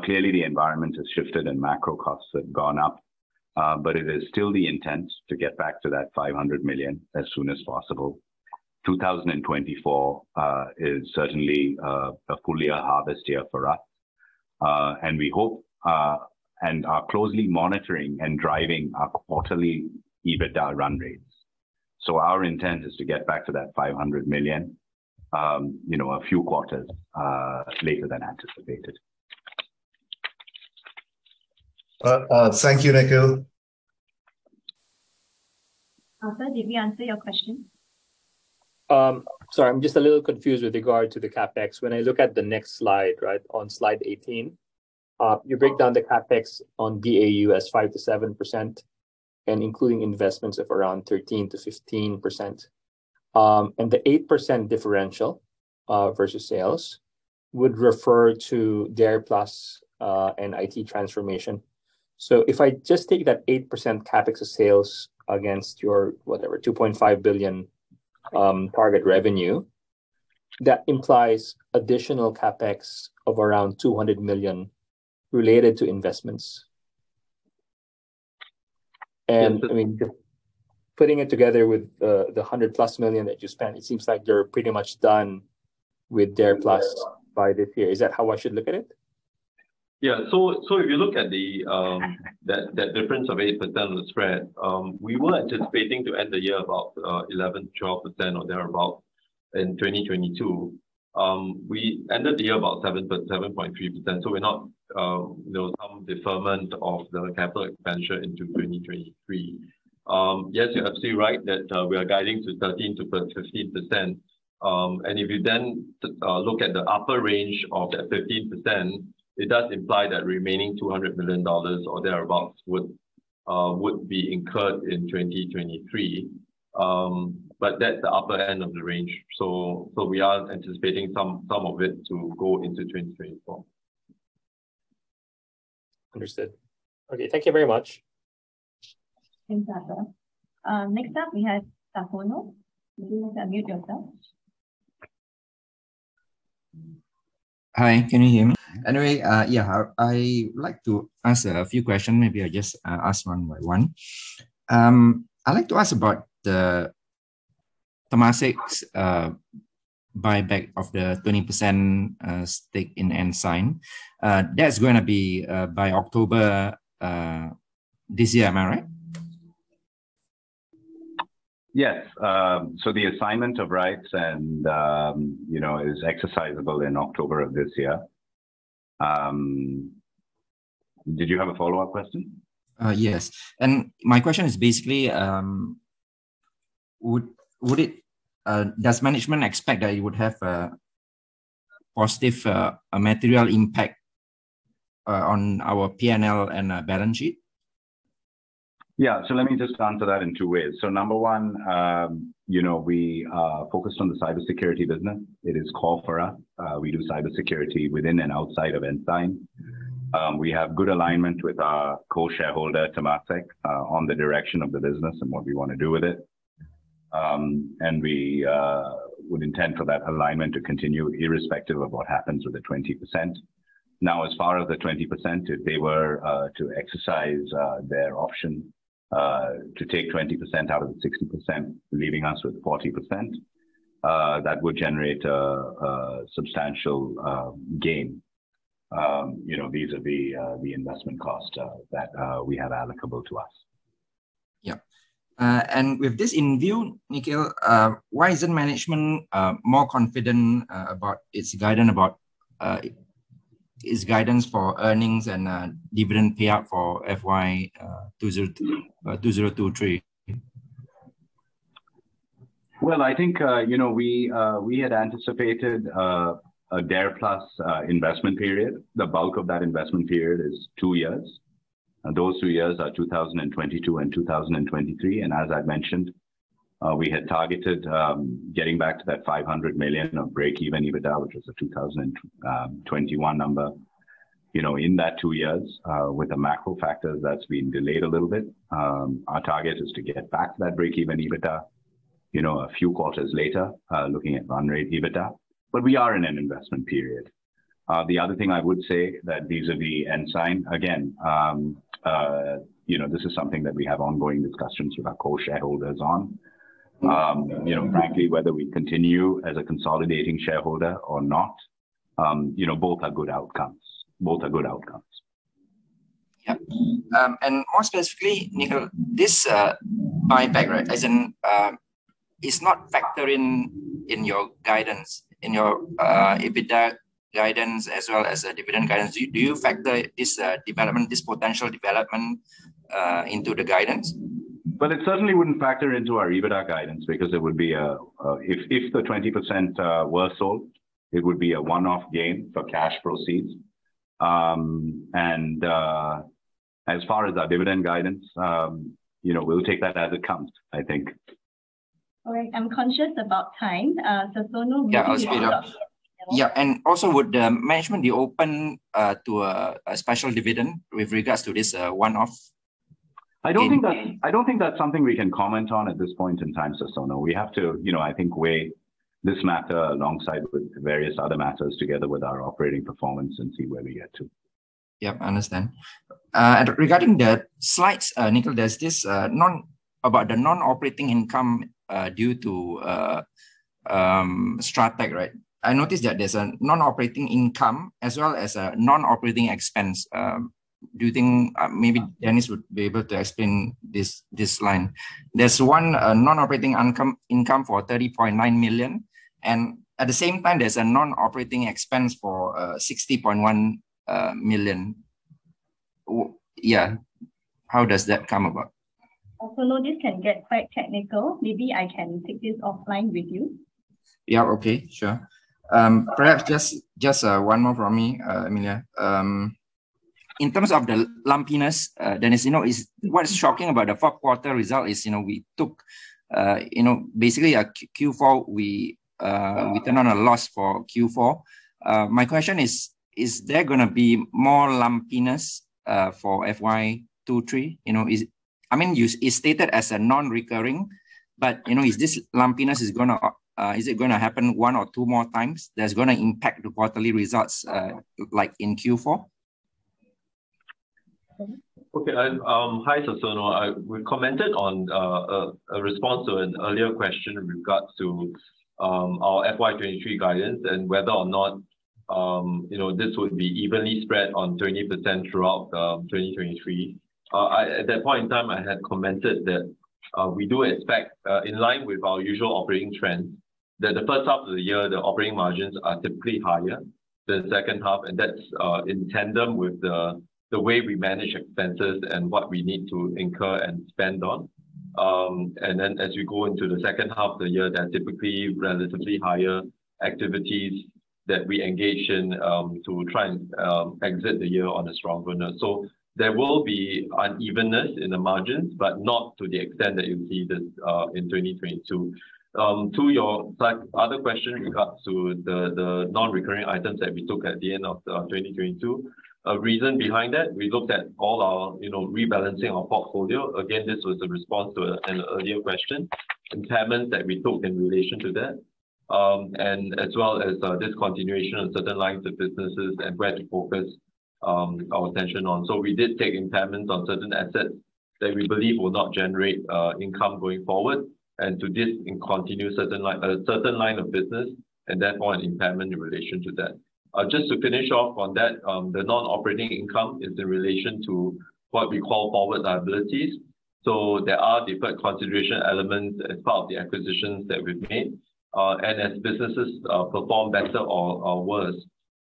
Clearly the environment has shifted and macro costs have gone up, but it is still the intent to get back to that $500 million as soon as possible. 2024 is certainly a fully a harvest year for us. And we hope and are closely monitoring and driving our quarterly EBITDA run-rates. Our intent is to get back to that $500 million, you know, a few quarters later than anticipated. Thank you, Nikhil. Arthur, did we answer your question? Sorry, I am just a little confused with regard to the CapEx. When I look at the next slide, right, on slide 18, you break down the CapEx on BAU as 5%-7% and including investments of around 13%-15%. The 8% differential versus sales would refer to DARE+ and IT transformation. If I just take that 8% CapEx of sales against your, whatever, $2.5 billion target revenue, that implies additional CapEx of around $200 million related to investments. And putting it together with the $100+ million that you spent, it seems like you're pretty much done with DARE+ by this year. Is that how I should look at it? If you look at the that difference of 8% of the spread, we were anticipating to end the year about 11-12% or thereabout in 2022. We ended the year about 7.3%, so we're not, you know, some deferment of the capital expenditure into 2023. Yes, you're absolutely right that we are guiding to 13-15%. If you look at the upper range of that 15%, it does imply that remaining $200 million or thereabouts would be incurred in 2023. That's the upper end of the range. We are anticipating some of it to go into 2024. Understood. Okay, thank you very much. Thanks, Arthur. Next up we have Sasono. Would you like to unmute yourself? Hi, can you hear me? I would like to ask a few question. Maybe I just ask one by one. I'd like to ask about the Temasek's buyback of the 20% stake in Ensign. That's gonna be by October this year, am I right? Yes. The assignment of rights and, you know, is exercisable in October of this year. Did you have a follow-up question? Yes. My question is basically, Does management expect that it would have a positive, a material impact on our P&L and balance sheet? Yeah. Let me just answer that in two ways. Number one, you know, we are focused on the cybersecurity business. It is core for us. We do cybersecurity within and outside of Ensign. We have good alignment with our co-shareholder, Temasek, on the direction of the business and what we wanna do with it. We would intend for that alignment to continue irrespective of what happens with the 20%. As far as the 20%, if they were to exercise their option to take 20% out of the 60%, leaving us with 40%, that would generate a substantial gain. You know, vis-a-vis the investment cost that we have applicable to us. Yeah. with this in view, Nikhil, why isn't management more confident about its guidance about its guidance for earnings and dividend payout for FY 2023? Well, I think, you know, we had anticipated a DARE+ investment period. The bulk of that investment period is two years. Those two years are 2022 and 2023, and as I've mentioned, we had targeted getting back to that $500 million of break-even EBITDA, which was a 2021 number. You know, in that two years, with the macro factors, that's been delayed a little bit. Our target is to get back to that break-even EBITDA, you know, a few quarters later, looking at run rate EBITDA. We are in an investment period. The other thing I would say that vis-a-vis Ensign, again, you know, this is something that we have ongoing discussions with our co-shareholders on. You know, frankly, whether we continue as a consolidating shareholder or not, you know, both are good outcomes. Both are good outcomes. Yeah. More specifically, Nikhil, this buyback, right, as in, is not factoring in your guidance, in your EBITDA guidance as well as the dividend guidance. Do you factor this development, this potential development, into the guidance? Well, it certainly wouldn't factor into our EBITDA guidance because it would be a. If the 20% were sold, it would be a one-off gain for cash proceeds. As far as our dividend guidance, you know, we'll take that as it comes, I think. All right. I'm conscious about time. Sasono maybe you can follow up. Yeah, I'll speed up. Yeah. Also, would management be open to a special dividend with regards to this one-off? I don't think that's something we can comment on at this point in time, Sasono. We have to, you know, I think weigh this matter alongside with various other matters together with our operating performance and see where we get to. I understand. Regarding the slides, Nikhil, there's this non-operating income due to Strateq, right? I noticed that there's a non-operating income as well as a non-operating expense. Do you think maybe Dennis would be able to explain this line? There's one non-operating income for $30.9 million. At the same time there's a non-operating expense for $60.1 million. Yeah. How does that come about? Sasono, this can get quite technical. Maybe I can take this offline with you. Yeah, okay. Sure. Perhaps just one more from me, Amelia. In terms of the lumpiness, Dennis, what is shocking about the fourth quarter result is we took basically our Q4, we turned on a loss for Q4. My question is there going to be more lumpiness for FY 2023? I mean, you, it's stated as a non-recurring, but is it going to happen one or two more times that's going to impact the quarterly results like in Q4? Okay. Hi, Sasono. We commented on a response to an earlier question in regards to our FY 2023 guidance and whether or not, you know, this would be evenly spread on 20% throughout 2023. I, at that point in time, I had commented that we do expect, in line with our usual operating trend, that the first half of the year, the operating margins are typically higher. The second half, and that's in tandem with the way we manage expenses and what we need to incur and spend on. Then as we go into the second half of the year, there are typically relatively higher activities that we engage in to try and exit the year on a strong runner. There will be unevenness in the margins, but not to the extent that you see that in 2022. To your other question regards to the non-recurring items that we took at the end of 2022, a reason behind that, we looked at all our, you know, rebalancing our portfolio, impairments that we took in relation to that, and as well as discontinuation of certain lines of businesses and where to focus our attention on. Again, this was a response to an earlier question. We did take impairments on certain assets that we believe will not generate income going forward, and to discontinue certain line of business, and therefore an impairment in relation to that. Just to finish off on that, the non-operating income is in relation to what we call forward liabilities. There are different consideration elements as part of the acquisitions that we've made. As businesses, perform better or worse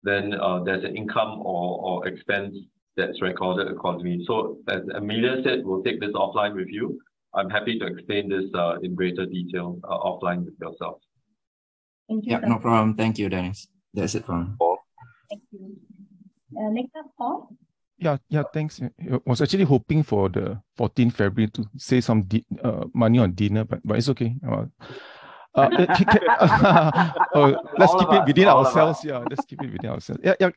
than, there's an income or expense that's recorded accordingly. As Amelia said, we'll take this offline with you. I'm happy to explain this, in greater detail, offline with yourself. Thank you. No problem. Thank you, Dennis. That's it for me. Next up, Paul. Yeah, yeah, thanks. I was actually hoping for the 14th February to save some money on dinner, but it's okay. Let's keep it within ourselves. Yeah, let's keep it within ourselves. Yeah, yeah.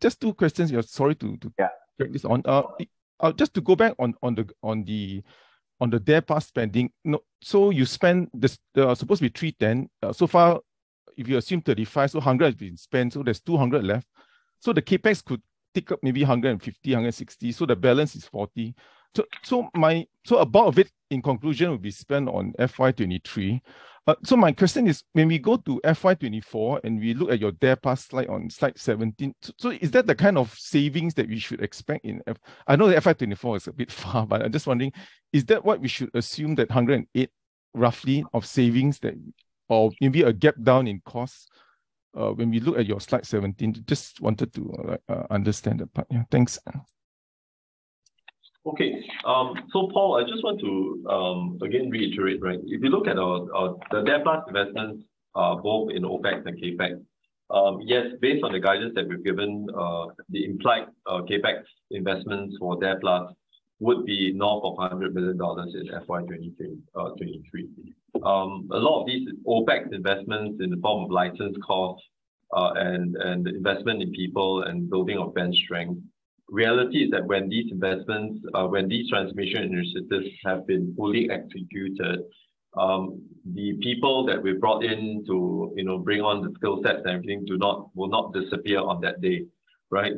Just two questions. Yeah, sorry. Yeah. Drag this on. Just to go back on the DARE+ spending. You spend supposed to be $3 then. Far, if you assume $35, $100 has been spent, so there's $200 left. The CapEx could take up maybe $150, $160, so the balance is $40. A bulk of it, in conclusion, will be spent on FY 2023. My question is, when we go to FY 2024 and we look at your DARE+ slide on slide 17, is that the kind of savings that we should expect? I know that FY 2024 is a bit far, but I'm just wondering, is that what we should assume, that $108 roughly of savings, or maybe a gap down in costs, when we look at your slide 17? Just wanted to understand that part. Yeah, thanks. Paul, I just want to again reiterate, right? If you look at the DARE+ investments, both in OpEx and CapEx, yes, based on the guidance that we've given, the implied CapEx investments for DARE+ would be north of $100 million in FY 2023. A lot of these OpEx investments in the form of license costs, and investment in people and building of bench strength. Reality is that when these investments, when these transformation initiatives have been fully executed, the people that we brought in to, you know, bring on the skill sets and everything do not, will not disappear on that day, right?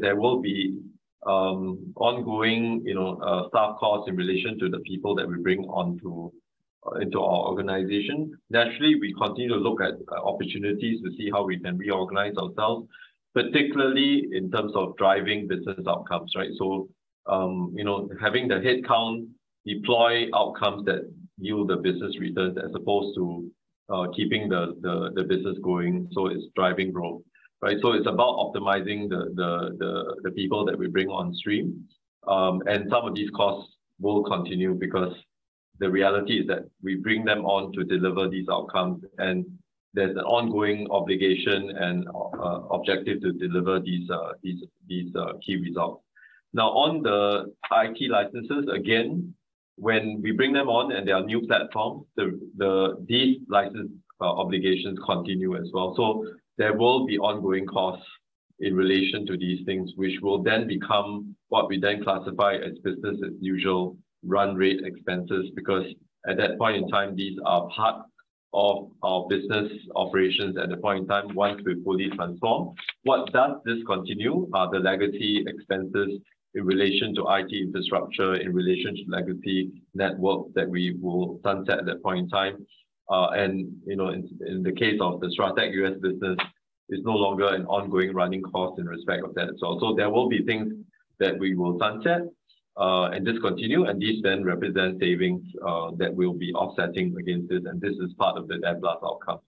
There will be ongoing, you know, staff costs in relation to the people that we bring onto, into our organization. Naturally, we continue to look at opportunities to see how we can reorganize ourselves, particularly in terms of driving business outcomes, right? You know, having the head count deploy outcomes that yield the business returns as opposed to keeping the business going so it's driving growth, right? It's about optimizing the people that we bring on stream. Some of these costs will continue because the reality is that we bring them on to deliver these outcomes and there's an ongoing obligation and objective to deliver these key results. On the IT licenses, again, when we bring them on and they are new platforms, these license obligations continue as well. There will be ongoing costs in relation to these things which will then become what we then classify as Business As Usual run rate expenses because at that point in time, these are part of our business operations at the point in time once we fully transform. What does this continue are the legacy expenses in relation to IT infrastructure, in relation to legacy network that we will sunset at that point in time. And, you know, in the case of the Strateq U.S. business, it's no longer an ongoing running cost in respect of that at all. There will be things that we will sunset and discontinue, and these then represent savings that we'll be offsetting against this, and this is part of the DARE+ outcome.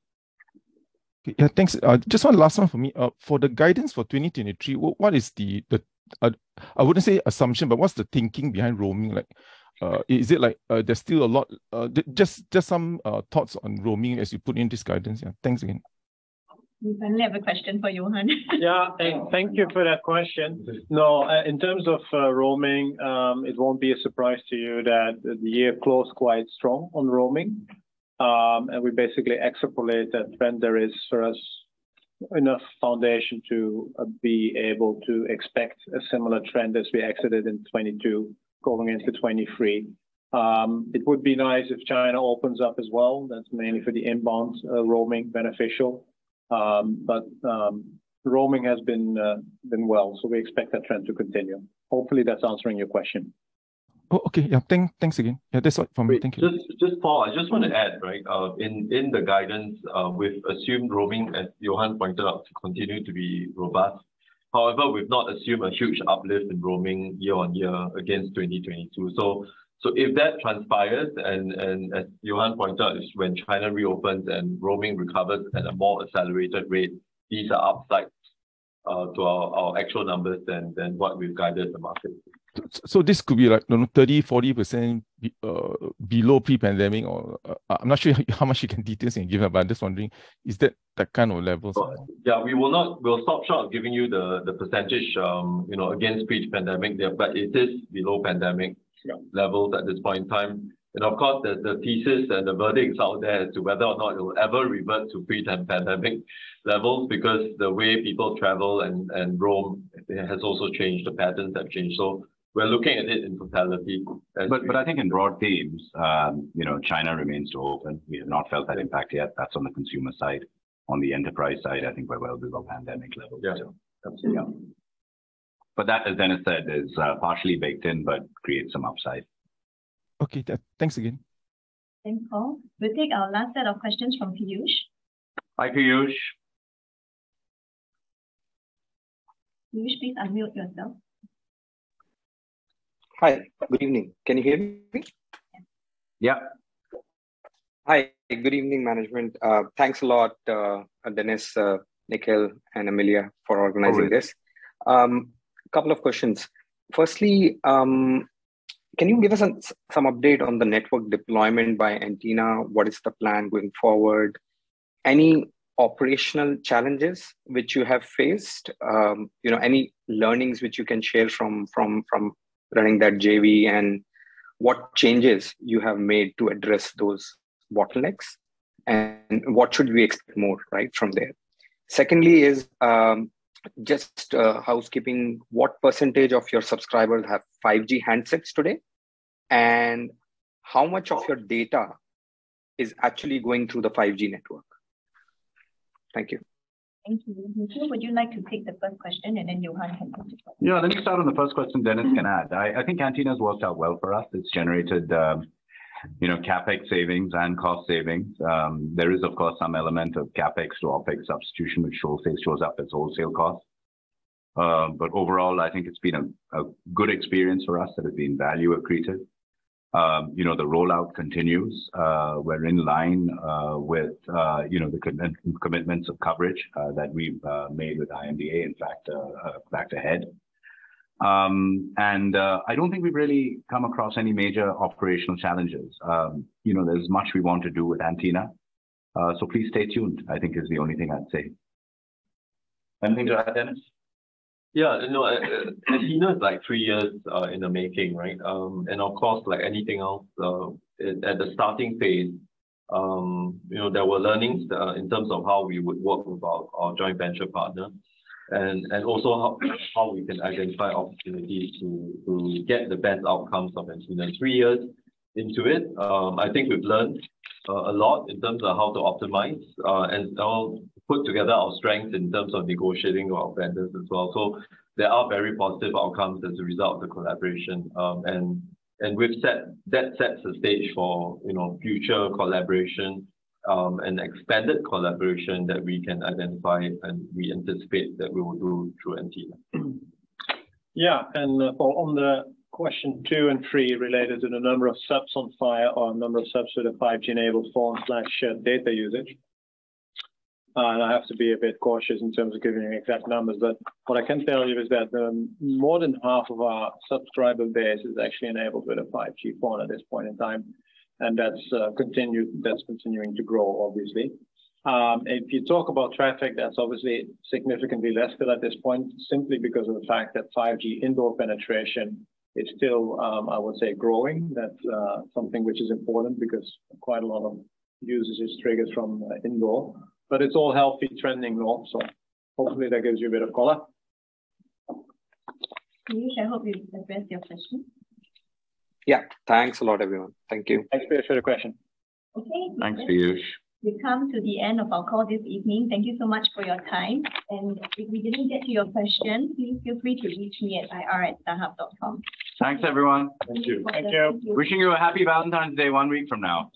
Okay. Yeah, thanks. Just one last one for me. For the guidance for 2023, what is the, I wouldn't say assumption, but what's the thinking behind roaming like? Is it like, there's still a lot, just some thoughts on roaming as you put in this guidance? Yeah. Thanks again. We only have a question for you, Johan. Thank you for that question. No, in terms of roaming, it won't be a surprise to you that the year closed quite strong on roaming. We basically extrapolate that trend there is for us. Enough foundation to be able to expect a similar trend as we exited in 2022 going into 2023. It would be nice if China opens up as well. That's mainly for the inbounds, roaming beneficial. Roaming has been well, so we expect that trend to continue. Hopefully, that's answering your question. Okay. Yeah. Thanks again. Yeah, that's all for me. Thank you. Paul, I want to add. In the guidance, we've assumed roaming, as Johan pointed out, to continue to be robust. However, we've not assumed a huge uplift in roaming year-on-year against 2022. If that transpires, and as Johan pointed out, is when China reopens and roaming recovers at a more accelerated rate, these are upsides to our actual numbers than what we've guided the market. This could be like, you know, 30%, 40% below pre-pandemic or, I'm not sure how much you can detail and give, but I'm just wondering is that that kind of level. Yeah, we'll stop short of giving you the percentage, you know, against pre-pandemic there— Yeah. Levels at this point in time. Of course, the thesis and the verdicts out there as to whether or not it will ever revert to pre-pan-pandemic levels because the way people travel and roam has also changed, the patterns have changed. We're looking at it in totality. I think in broad themes, you know, China remains to open. We have not felt that impact yet. That's on the consumer side. On the enterprise side, I think we're well below pandemic levels. Yeah. Absolutely. That, as Dennis said, is partially baked in, but creates some upside. Okay. Thanks again. Thanks, Paul. We'll take our last set of questions from Piyush. Hi, Piyush. Piyush, please unmute yourself. Hi. Good evening. Can you hear me? Yeah. Hi. Good evening, management. Thanks a lot, Dennis, Nikhil and Amelia for organizing this. No worries. Couple of questions. Firstly, can you give us some update on the network deployment by Antina? What is the plan going forward? Any operational challenges which you have faced? You know, any learnings which you can share from running that JV, and what changes you have made to address those bottlenecks, and what should we expect more, right? From there. Secondly is, just housekeeping. What percentage of your subscribers have 5G handsets today? How much of your data is actually going through the 5G network? Thank you. Thank you. Nikhil, would you like to take the first question, and then Johan can come in. Yeah. Let me start on the first question, Dennis can add. I think Antina's worked out well for us. It's generated, you know, CapEx savings and cost savings. There is of course some element of CapEx to OpEx substitution, which shows up as wholesale cost. Overall, I think it's been a good experience for us that has been value accretive. You know, the rollout continues. We're in line with, you know, the commitments of coverage that we've made with IMDA, in fact, back to head. I don't think we've really come across any major operational challenges. You know, there's much we want to do with Antina, please stay tuned, I think is the only thing I'd say. Anything to add, Dennis? No, Antina is like three years in the making, right? Of course, like anything else, at the starting phase, you know, there were learnings in terms of how we would work with our joint venture partner and also how we can identify opportunities to get the best outcomes from Antina. Three years into it, I think we've learned a lot in terms of how to optimize and put together our strengths in terms of negotiating our vendors as well. There are very positive outcomes as a result of the collaboration. That sets the stage for, you know, future collaboration and expanded collaboration that we can identify and we anticipate that we will do through Antina. Yeah. On the question two and three related to the number of subs on file or number of subs with a 5G-enabled phone/data usage, I have to be a bit cautious in terms of giving you exact numbers, but what I can tell you is that more than half of our subscriber base is actually enabled with a 5G phone at this point in time, that's continuing to grow obviously. If you talk about traffic, that's obviously significantly less still at this point simply because of the fact that 5G indoor penetration is still, I would say, growing. That's something which is important because quite a lot of usage is triggered from indoor. It's all healthy trending growth. Hopefully that gives you a bit of color. Piyush, I hope we've addressed your question. Yeah. Thanks a lot, everyone. Thank you. Thanks Piyush for the question. Okay. Thanks, Piyush. We come to the end of our call this evening. Thank you so much for your time. If we didn't get to your question, please feel free to reach me at ir@starhub.com. Thanks, everyone. Thank you. Thank you. Wishing you a happy Valentine's Day one week from now.